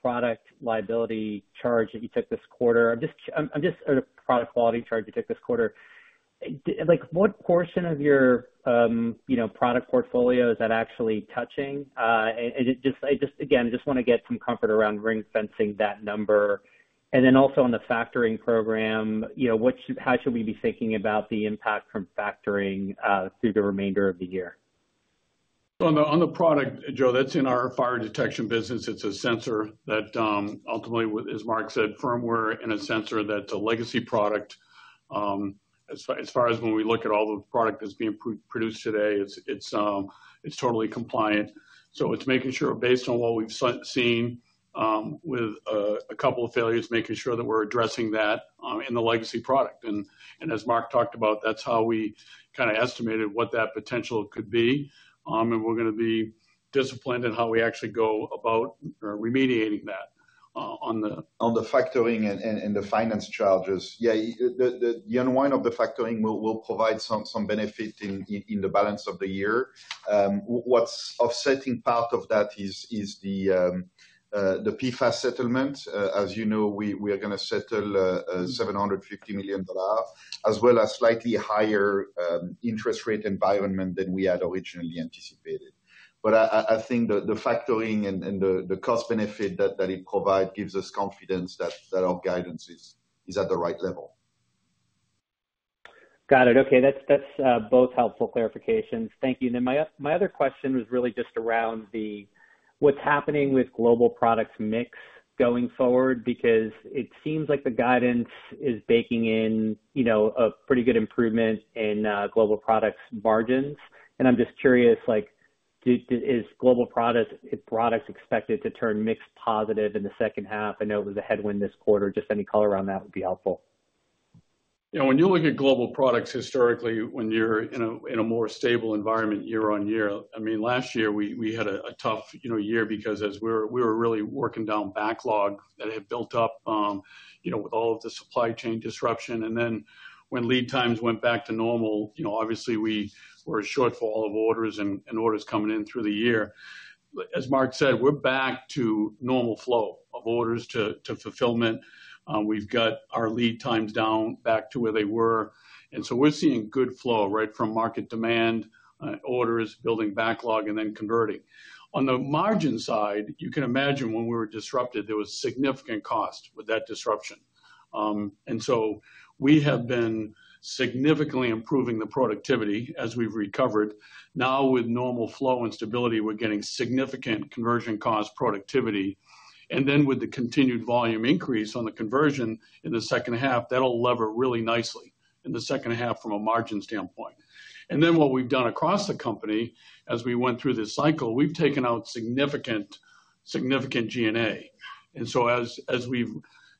product liability charge that you took this quarter, I'm just, or the product quality charge you took this quarter. Like, what portion of your, you know, product portfolio is that actually touching? It just, I just, again, just wanna get some comfort around ring fencing that number. Then also on the factoring program, you know, what should, how should we be thinking about the impact from factoring through the remainder of the year? On the product, Joe, that's in our fire detection business. It's a sensor that ultimately, as Marc said, firmware and a sensor, that's a legacy product. As far as when we look at all the product that's being produced today, it's, it's, it's totally compliant. It's making sure, based on what we've seen, with a couple of failures, making sure that we're addressing that, in the legacy product. As Marc talked about, that's how we kinda estimated what that potential could be. We're gonna be disciplined in how we actually go about remediating that. On the factoring and the finance charges. Yeah, the unwind of the factoring will provide some benefit in the balance of the year. What's offsetting part of that is the PFAS settlement. As you know, we are gonna settle $750 million, as well as slightly higher interest rate environment than we had originally anticipated. I think the factoring and the cost benefit that it provide gives us confidence that our guidance is at the right level. Got it. Okay, that's, that's both helpful clarifications. Thank you. Then my other question was really just around the, what's happening with Global Products mix going forward? Because it seems like the guidance is baking in, you know, a pretty good improvement in, Global Products margins. I'm just curious, like, is Global Products, its products expected to turn mix positive in the second half? I know it was a headwind this quarter. Just any color around that would be helpful. You know, when you look at Global Products, historically, when you're in a more stable environment year on year, I mean, last year we had a tough, you know, year because as we were really working down backlog that had built up, you know, with all of the supply chain disruption. Then when lead times went back to normal, you know, obviously, we were a shortfall of orders and orders coming in through the year. As Marc said, we're back to normal flow of orders to fulfillment. We've got our lead times down back to where they were. We're seeing good flow, right? From market demand, orders, building backlog, and then converting. On the margin side, you can imagine when we were disrupted, there was significant cost with that disruption. We have been significantly improving the productivity as we've recovered. Now, with normal flow and stability, we're getting significant conversion cost productivity. Then with the continued volume increase on the conversion in the second half, that'll lever really nicely in the second half from a margin standpoint. Then what we've done across the company, as we went through this cycle, we've taken out significant G&A.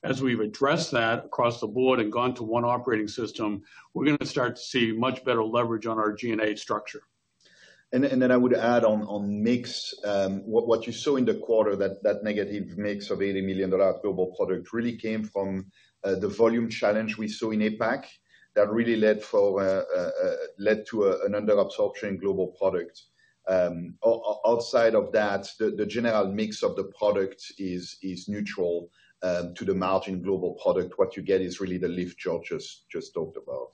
As we've addressed that across the board and gone to one operating system, we're gonna start to see much better leverage on our G&A structure. I would add on mix. What you saw in the quarter, that negative mix of $80 million Global Products really came from the volume challenge we saw in APAC. That really led to an under-absorption Global Products. Outside of that, the general mix of the product is neutral to the margin Global Products. What you get is really the lift Joe just talked about.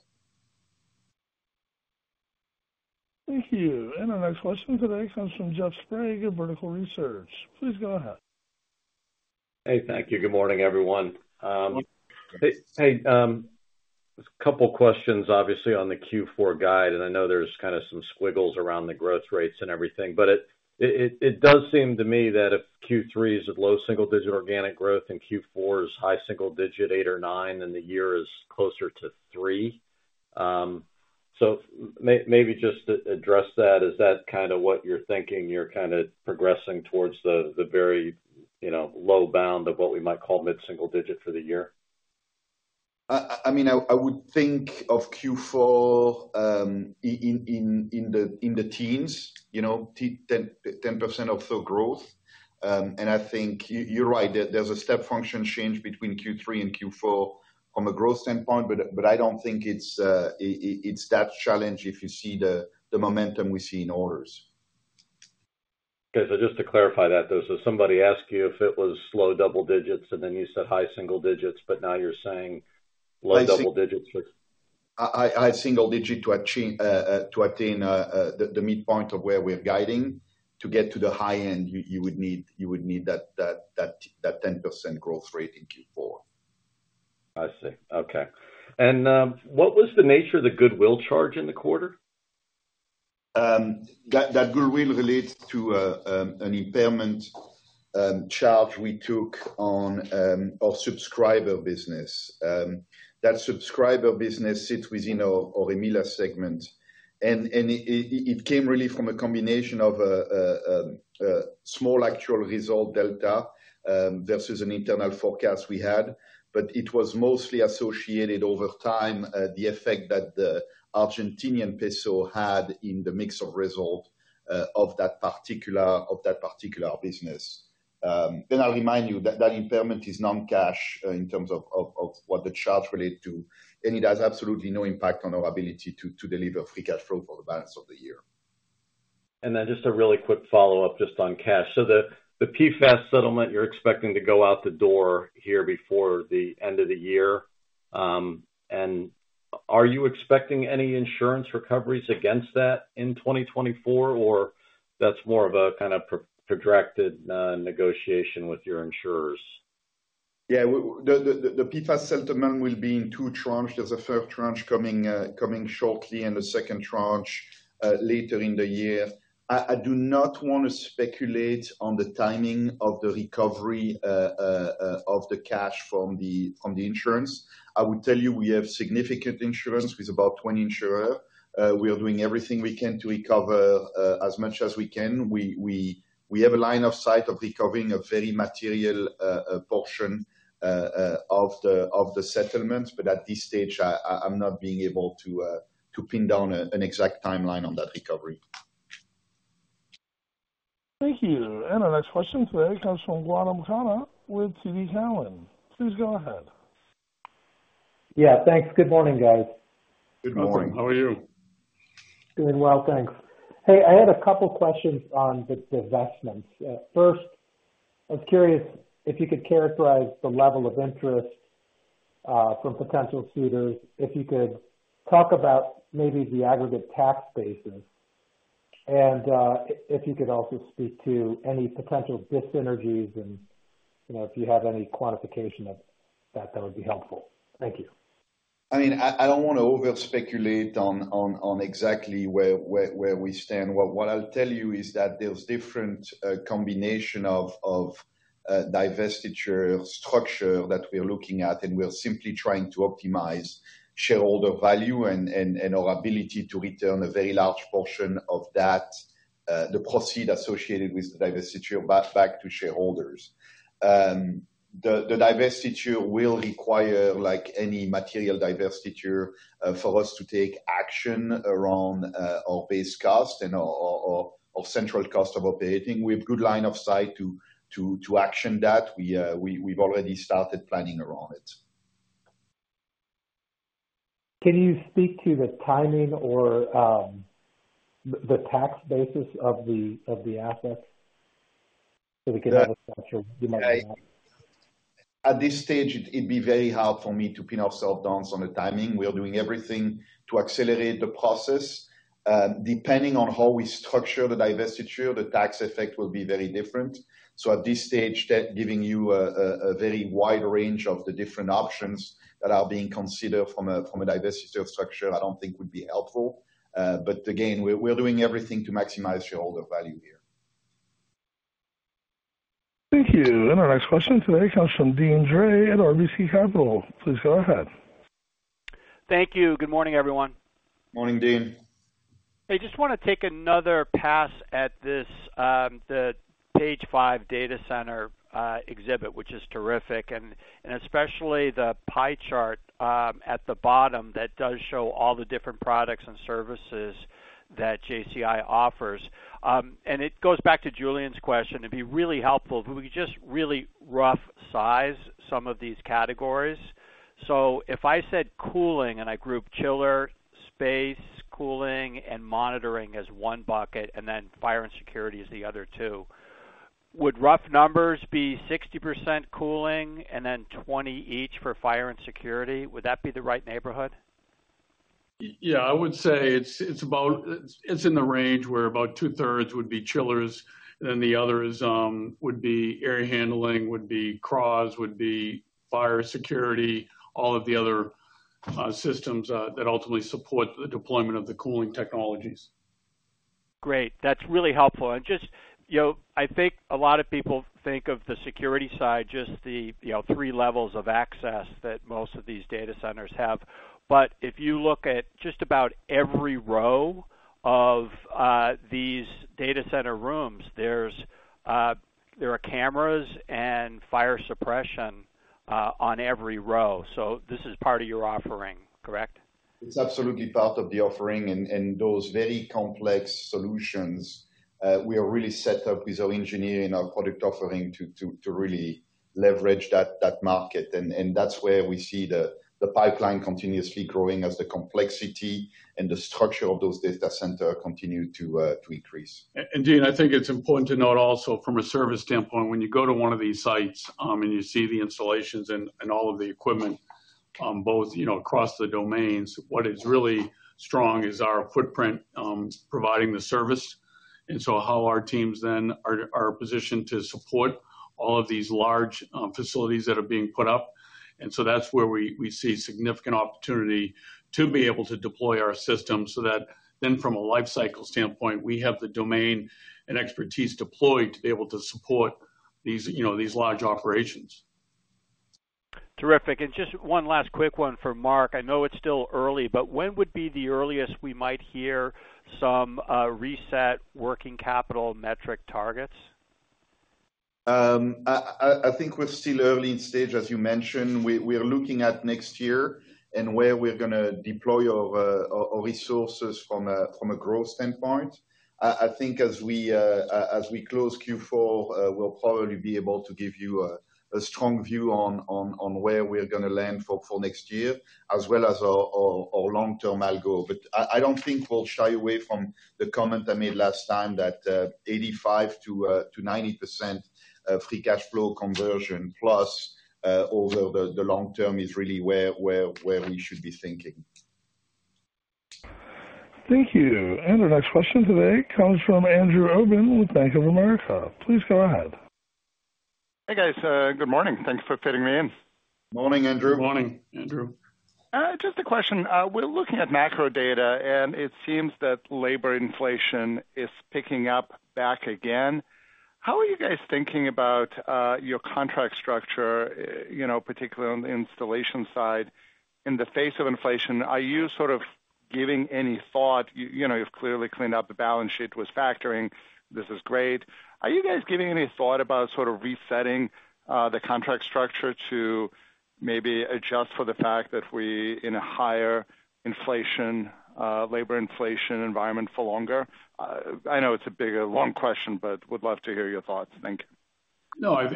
Thank you. Our next question today comes from Jeff Sprague of Vertical Research. Please go ahead. Hey, thank you. Good morning, everyone. A couple questions obviously on the Q4 guide, and I know there's kinda some squiggles around the growth rates and everything, but it does seem to me that if Q3 is of low-single digit organic growth, and Q4 is high-single digit, 8 or 9, and the year is closer to 3, so maybe just address that. Is that kinda what you're thinking, you're kinda progressing towards the, the very, you know, low bound of what we might call mid-single digit for the year? I mean, I would think of Q4 in the teens, you know, 10% of the growth. I think you're right. There's a step function change between Q3 and Q4 from a growth standpoint, but I don't think it's that challenge if you see the momentum we see in orders. Okay. Just to clarify that, though, so somebody asked you if it was slow-double digits, and then you said high-single digits, but now you're saying low-double digits or? High-single digit to achieve to attain the midpoint of where we're guiding. To get to the high end, you would need that 10% growth rate in Q4. I see. Okay. What was the nature of the goodwill charge in the quarter? That goodwill relates to an impairment charge we took on our subscriber business. That subscriber business sits within our EMEA segment. It came really from a combination of a small actual result delta versus an internal forecast we had, but it was mostly associated over time. The effect that the Argentine peso had in the mix of result of that particular business. Then I'll remind you that that impairment is non-cash in terms of what the charts relate to, and it has absolutely no impact on our ability to deliver free cash flow for the balance of the year. Then just a really quick follow-up just on cash. The PFAS settlement, you're expecting to go out the door here before the end of the year. Are you expecting any insurance recoveries against that in 2024, or that's more of a kind of protracted negotiation with your insurers? Yeah, the PFAS settlement will be in two tranches. There's a first tranche coming shortly and a second tranche later in the year. I do not wanna speculate on the timing of the recovery of the cash from the insurance. I will tell you, we have significant insurance with about 20 insurers. We are doing everything we can to recover as much as we can. We have a line of sight of recovering a very material portion of the settlement, but at this stage, I'm not able to pin down an exact timeline on that recovery. Thank you. Our next question today comes from Gautam Khanna with TD Cowen. Please go ahead. Yeah, thanks. Good morning, guys. Good morning. How are you? Doing well, thanks. Hey, I had a couple questions on the divestitures. First, I was curious if you could characterize the level of interest from potential suitors, if you could talk about maybe the aggregate tax basis, and if you could also speak to any potential dis-synergies and, you know, if you have any quantification of that, that would be helpful. Thank you. I mean, I don't wanna over speculate on exactly where we stand. What I'll tell you is that there's different combination of divestiture structure that we are looking at, and we are simply trying to optimize shareholder value and our ability to return a very large portion of that the proceeds associated with the divestiture back to shareholders. The divestiture will require, like any material divestiture, for us to take action around our base cost and our central cost of operating. We have good line of sight to action that. We've already started planning around it. Can you speak to the timing or the tax basis of the assets, so we can have a structure? At this stage, it'd be very hard for me to pin ourselves down on the timing. We are doing everything to accelerate the process. Depending on how we structure the divestiture, the tax effect will be very different. At this stage, giving you a very wide range of the different options that are being considered from a divestiture structure, I don't think would be helpful. Again, we're doing everything to maximize shareholder value here. Thank you. And our next question today comes from Deane Dray at RBC Capital. Please go ahead. Thank you. Good morning, everyone. Morning, Deane. I just wanna take another pass at this, the page five data center exhibit, which is terrific, and, and especially the pie chart at the bottom that does show all the different products and services that JCI offers. It goes back to Julian's question. It'd be really helpful if we could just really rough size some of these categories. If I said cooling, and I grouped chiller, space, cooling, and monitoring as one bucket, and then fire and security as the other two, would rough numbers be 60% cooling and then 20 each for fire and security? Would that be the right neighborhood? Yeah, I would say it's about. It's in the range where about 2/3 would be chillers, and then the others would be air handling, would be CRAHs, would be fire security, all of the other systems that ultimately support the deployment of the cooling technologies. Great, that's really helpful. Just, you know, I think a lot of people think of the security side, just the, you know, three levels of access that most of these data centers have. If you look at just about every row of these data center rooms, there are cameras and fire suppression on every row. This is part of your offering, correct? It's absolutely part of the offering and those very complex solutions. We are really set up with our engineering and our product offering to really leverage that market, and that's where we see the pipeline continuously growing as the complexity and the structure of those data center continue to increase. Deane, I think it's important to note also from a service standpoint, when you go to one of these sites, and you see the installations and all of the equipment, both, you know, across the domains, what is really strong is our footprint, providing the service, and so how our teams then are positioned to support all of these large facilities that are being put up. That's where we see significant opportunity to be able to deploy our system, so that then from a life cycle standpoint, we have the domain and expertise deployed to be able to support these, you know, these large operations. Terrific. Just one last quick one for Marc. I know it's still early, but when would be the earliest we might hear some reset working capital metric targets? I think we're still early in stage, as you mentioned. We are looking at next year and where we're gonna deploy our resources from a growth standpoint. I think as we close Q4, we'll probably be able to give you a strong view on where we're gonna land for next year, as well as our long-term algo. I don't think we'll shy away from the comment I made last time that 85%-90% of free cash flow conversion, plus, over the long term is really where we should be thinking. Thank you. Our next question today comes from Andrew Obin with Bank of America. Please go ahead. Hey, guys. Good morning. Thanks for fitting me in. Morning, Andrew. Good morning, Andrew. Just a question. We're looking at macro data, and it seems that labor inflation is picking up back again. How are you guys thinking about your contract structure, you know, particularly on the installation side, in the face of inflation? Are you sort of giving any thought, you know, you've clearly cleaned up the balance sheet with factoring. This is great. Are you guys giving any thought about sort of resetting the contract structure to maybe adjust for the fact that we in a higher inflation, labor inflation environment for longer? I know it's a big, long question, but would love to hear your thoughts. Thank you. No, I,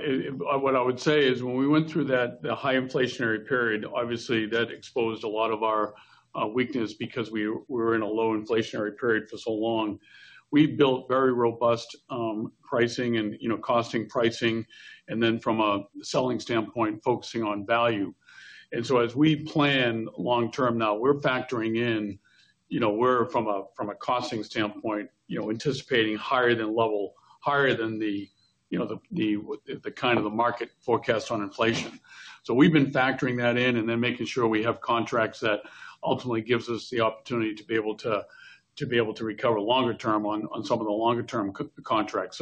what I would say is, when we went through that, the high inflationary period, obviously, that exposed a lot of our, weakness because we were in a low inflationary period for so long. We built very robust, pricing and, you know, costing pricing, and then from a selling standpoint, focusing on value. As we plan long term now, we're factoring in, you know, we're from a, from a costing standpoint, you know, anticipating higher than level, higher than the, you know, the kind of the market forecast on inflation. We've been factoring that in and then making sure we have contracts that ultimately gives us the opportunity to be able to recover longer term on, on some of the longer term contracts.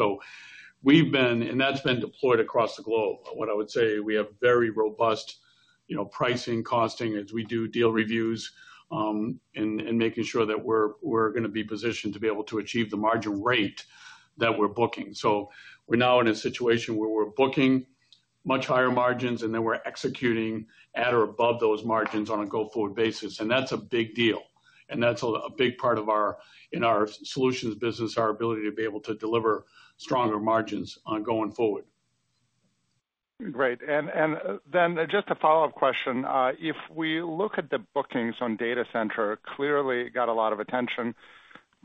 We've been, and that's been deployed across the globe. What I would say, we have very robust, you know, pricing, costing, as we do deal reviews, and making sure that we're gonna be positioned to be able to achieve the margin rate that we're booking. We're now in a situation where we're booking much higher margins, and then we're executing at or above those margins on a go-forward basis, and that's a big deal. That's a big part of our, in our Solutions business, our ability to be able to deliver stronger margins on going forward. Great. Then just a follow-up question. If we look at the bookings on data center, clearly it got a lot of attention,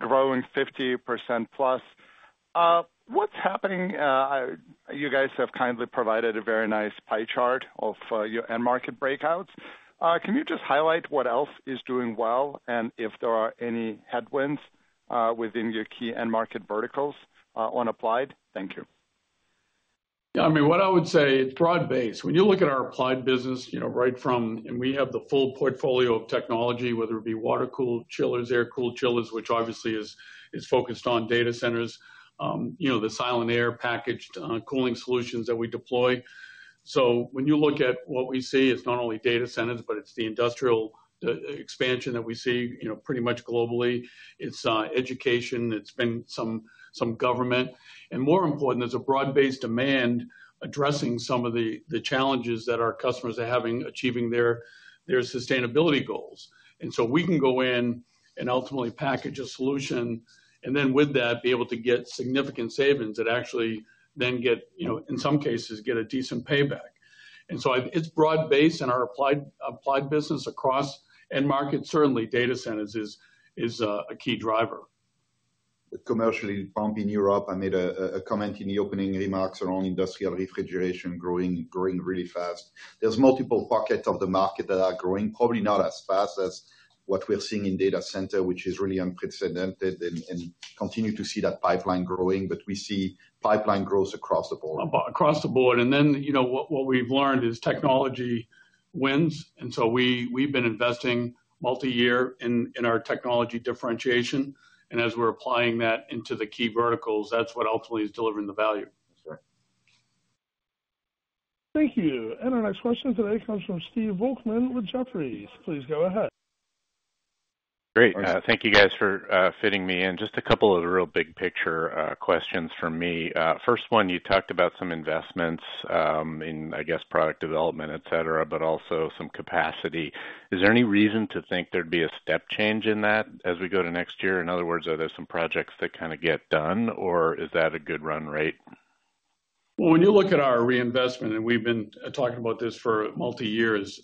growing 50% plus. What's happening? You guys have kindly provided a very nice pie chart of your end market breakouts. Can you just highlight what else is doing well and if there are any headwinds within your key end market verticals on Applied? Thank you. Yeah, I mean, what I would say, it's broad-based. When you look at our Applied business, you know, right from. We have the full portfolio of technology, whether it be water-cooled chillers, air-cooled chillers, which obviously is focused on data centers, you know, the Silent-Aire packaged cooling solutions that we deploy. When you look at what we see, it's not only data centers, but it's the industrial expansion that we see, you know, pretty much globally. It's education, it's been some government, and more important, there's a broad-based demand addressing some of the challenges that our customers are having achieving their sustainability goals. We can go in and ultimately package a solution, and then with that, be able to get significant savings that actually then get, you know, in some cases, get a decent payback. It's broad-based in our Applied business across end markets. Certainly, data centers is a key driver. Commercially, pump in Europe, I made a comment in the opening remarks around Industrial Refrigeration growing, growing really fast. There's multiple pockets of the market that are growing, probably not as fast as what we're seeing in data center, which is really unprecedented and continue to see that pipeline growing, but we see pipeline growth across the board. Across the board. Then, you know, what we've learned is technology wins, and so we've been investing multiyear in our technology differentiation, and as we're applying that into the key verticals, that's what ultimately is delivering the value. That's right. Thank you. Our next question today comes from Stephen Volkmann with Jefferies. Please go ahead. Great. Thank you guys for fitting me in. Just a couple of the real big picture questions from me. First one, you talked about some investments in, I guess, product development, et cetera, et cetera, but also some capacity. Is there any reason to think there'd be a step change in that as we go to next year? In other words, are there some projects that kind of get done, or is that a good run rate? Well, when you look at our reinvestment, and we've been talking about this for multi years,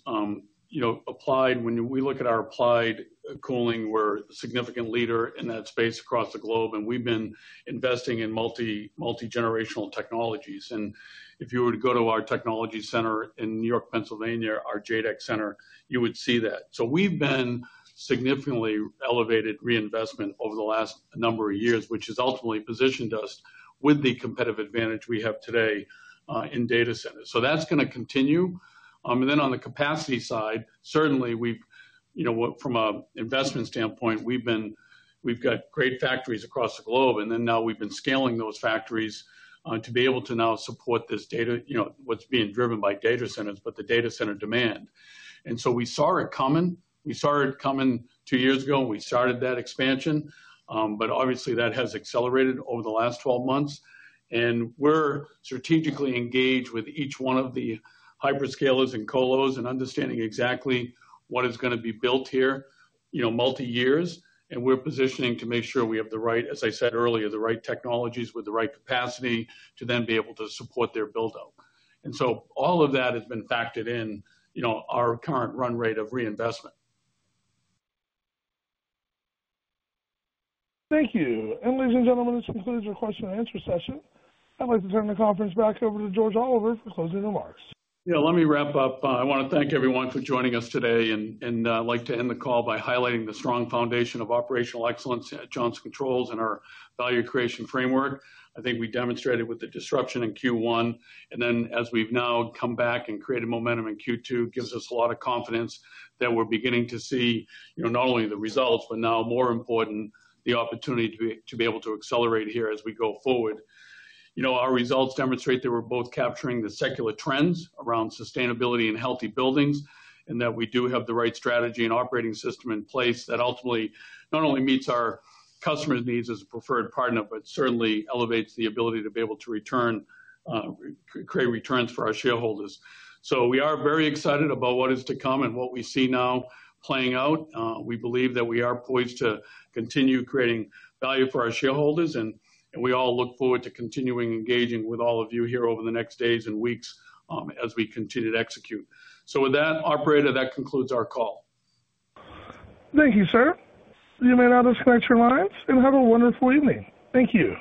you know, Applied, when we look at our Applied cooling, we're a significant leader in that space across the globe, and we've been investing in multigenerational technologies. If you were to go to our technology center in York, Pennsylvania, our JADEC center, you would see that. We've been significantly elevated reinvestment over the last number of years, which has ultimately positioned us with the competitive advantage we have today in data centers. That's gonna continue. Then on the capacity side, certainly we've, you know, from an investment standpoint, we've been. We've got great factories across the globe, and then now we've been scaling those factories to be able to now support this data, you know, what's being driven by data centers, but the data center demand. We saw it coming. We saw it coming two years ago, and we started that expansion, but obviously, that has accelerated over the last 12 months. We're strategically engaged with each one of the hyperscalers and colos and understanding exactly what is gonna be built here, you know, multiyears, and we're positioning to make sure we have the right, as I said earlier, the right technologies with the right capacity to then be able to support their build-out. All of that has been factored in, you know, our current run rate of reinvestment. Thank you. Ladies and gentlemen, this concludes your question and answer session. I'd like to turn the conference back over to George Oliver for closing remarks. Yeah, let me wrap up. I wanna thank everyone for joining us today, and I'd like to end the call by highlighting the strong foundation of operational excellence at Johnson Controls and our value creation framework. I think we demonstrated with the disruption in Q1, and then as we've now come back and created momentum in Q2, gives us a lot of confidence that we're beginning to see, you know, not only the results, but now more important, the opportunity to be able to accelerate here as we go forward. You know, our results demonstrate that we're both capturing the secular trends around sustainability and healthy buildings, and that we do have the right strategy and operating system in place that ultimately not only meets our customers' needs as a preferred partner, but certainly elevates the ability to be able to return, create returns for our shareholders. We are very excited about what is to come and what we see now playing out. We believe that we are poised to continue creating value for our shareholders, and we all look forward to continuing engaging with all of you here over the next days and weeks, as we continue to execute. With that, operator, that concludes our call. Thank you, sir. You may now disconnect your lines, and have a wonderful evening. Thank you.